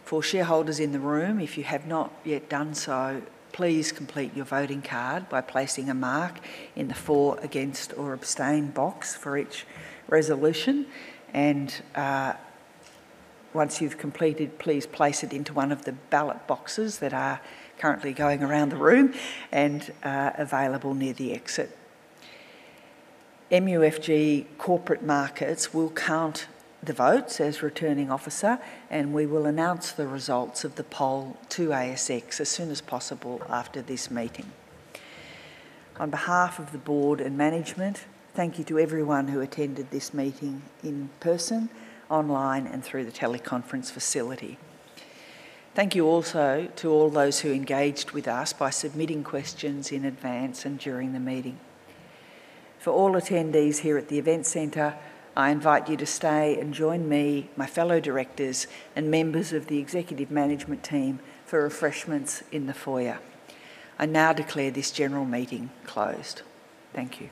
Speaker 1: For shareholders in the room, if you have not yet done so, please complete your voting card by placing a mark in the for, against, or abstain box for each resolution. Once you've completed, please place it into one of the ballot boxes that are currently going around the room and available near the exit. MUFG Corporate Markets will count the votes as returning officer, and we will announce the results of the poll to ASX as soon as possible after this meeting. On behalf of the board and management, thank you to everyone who attended this meeting in person, online, and through the teleconference facility. Thank you also to all those who engaged with us by submitting questions in advance and during the meeting. For all attendees here at the Event Centre, I invite you to stay and join me, my fellow directors, and members of the executive management team for refreshments in the foyer. I now declare this general meeting closed. Thank you.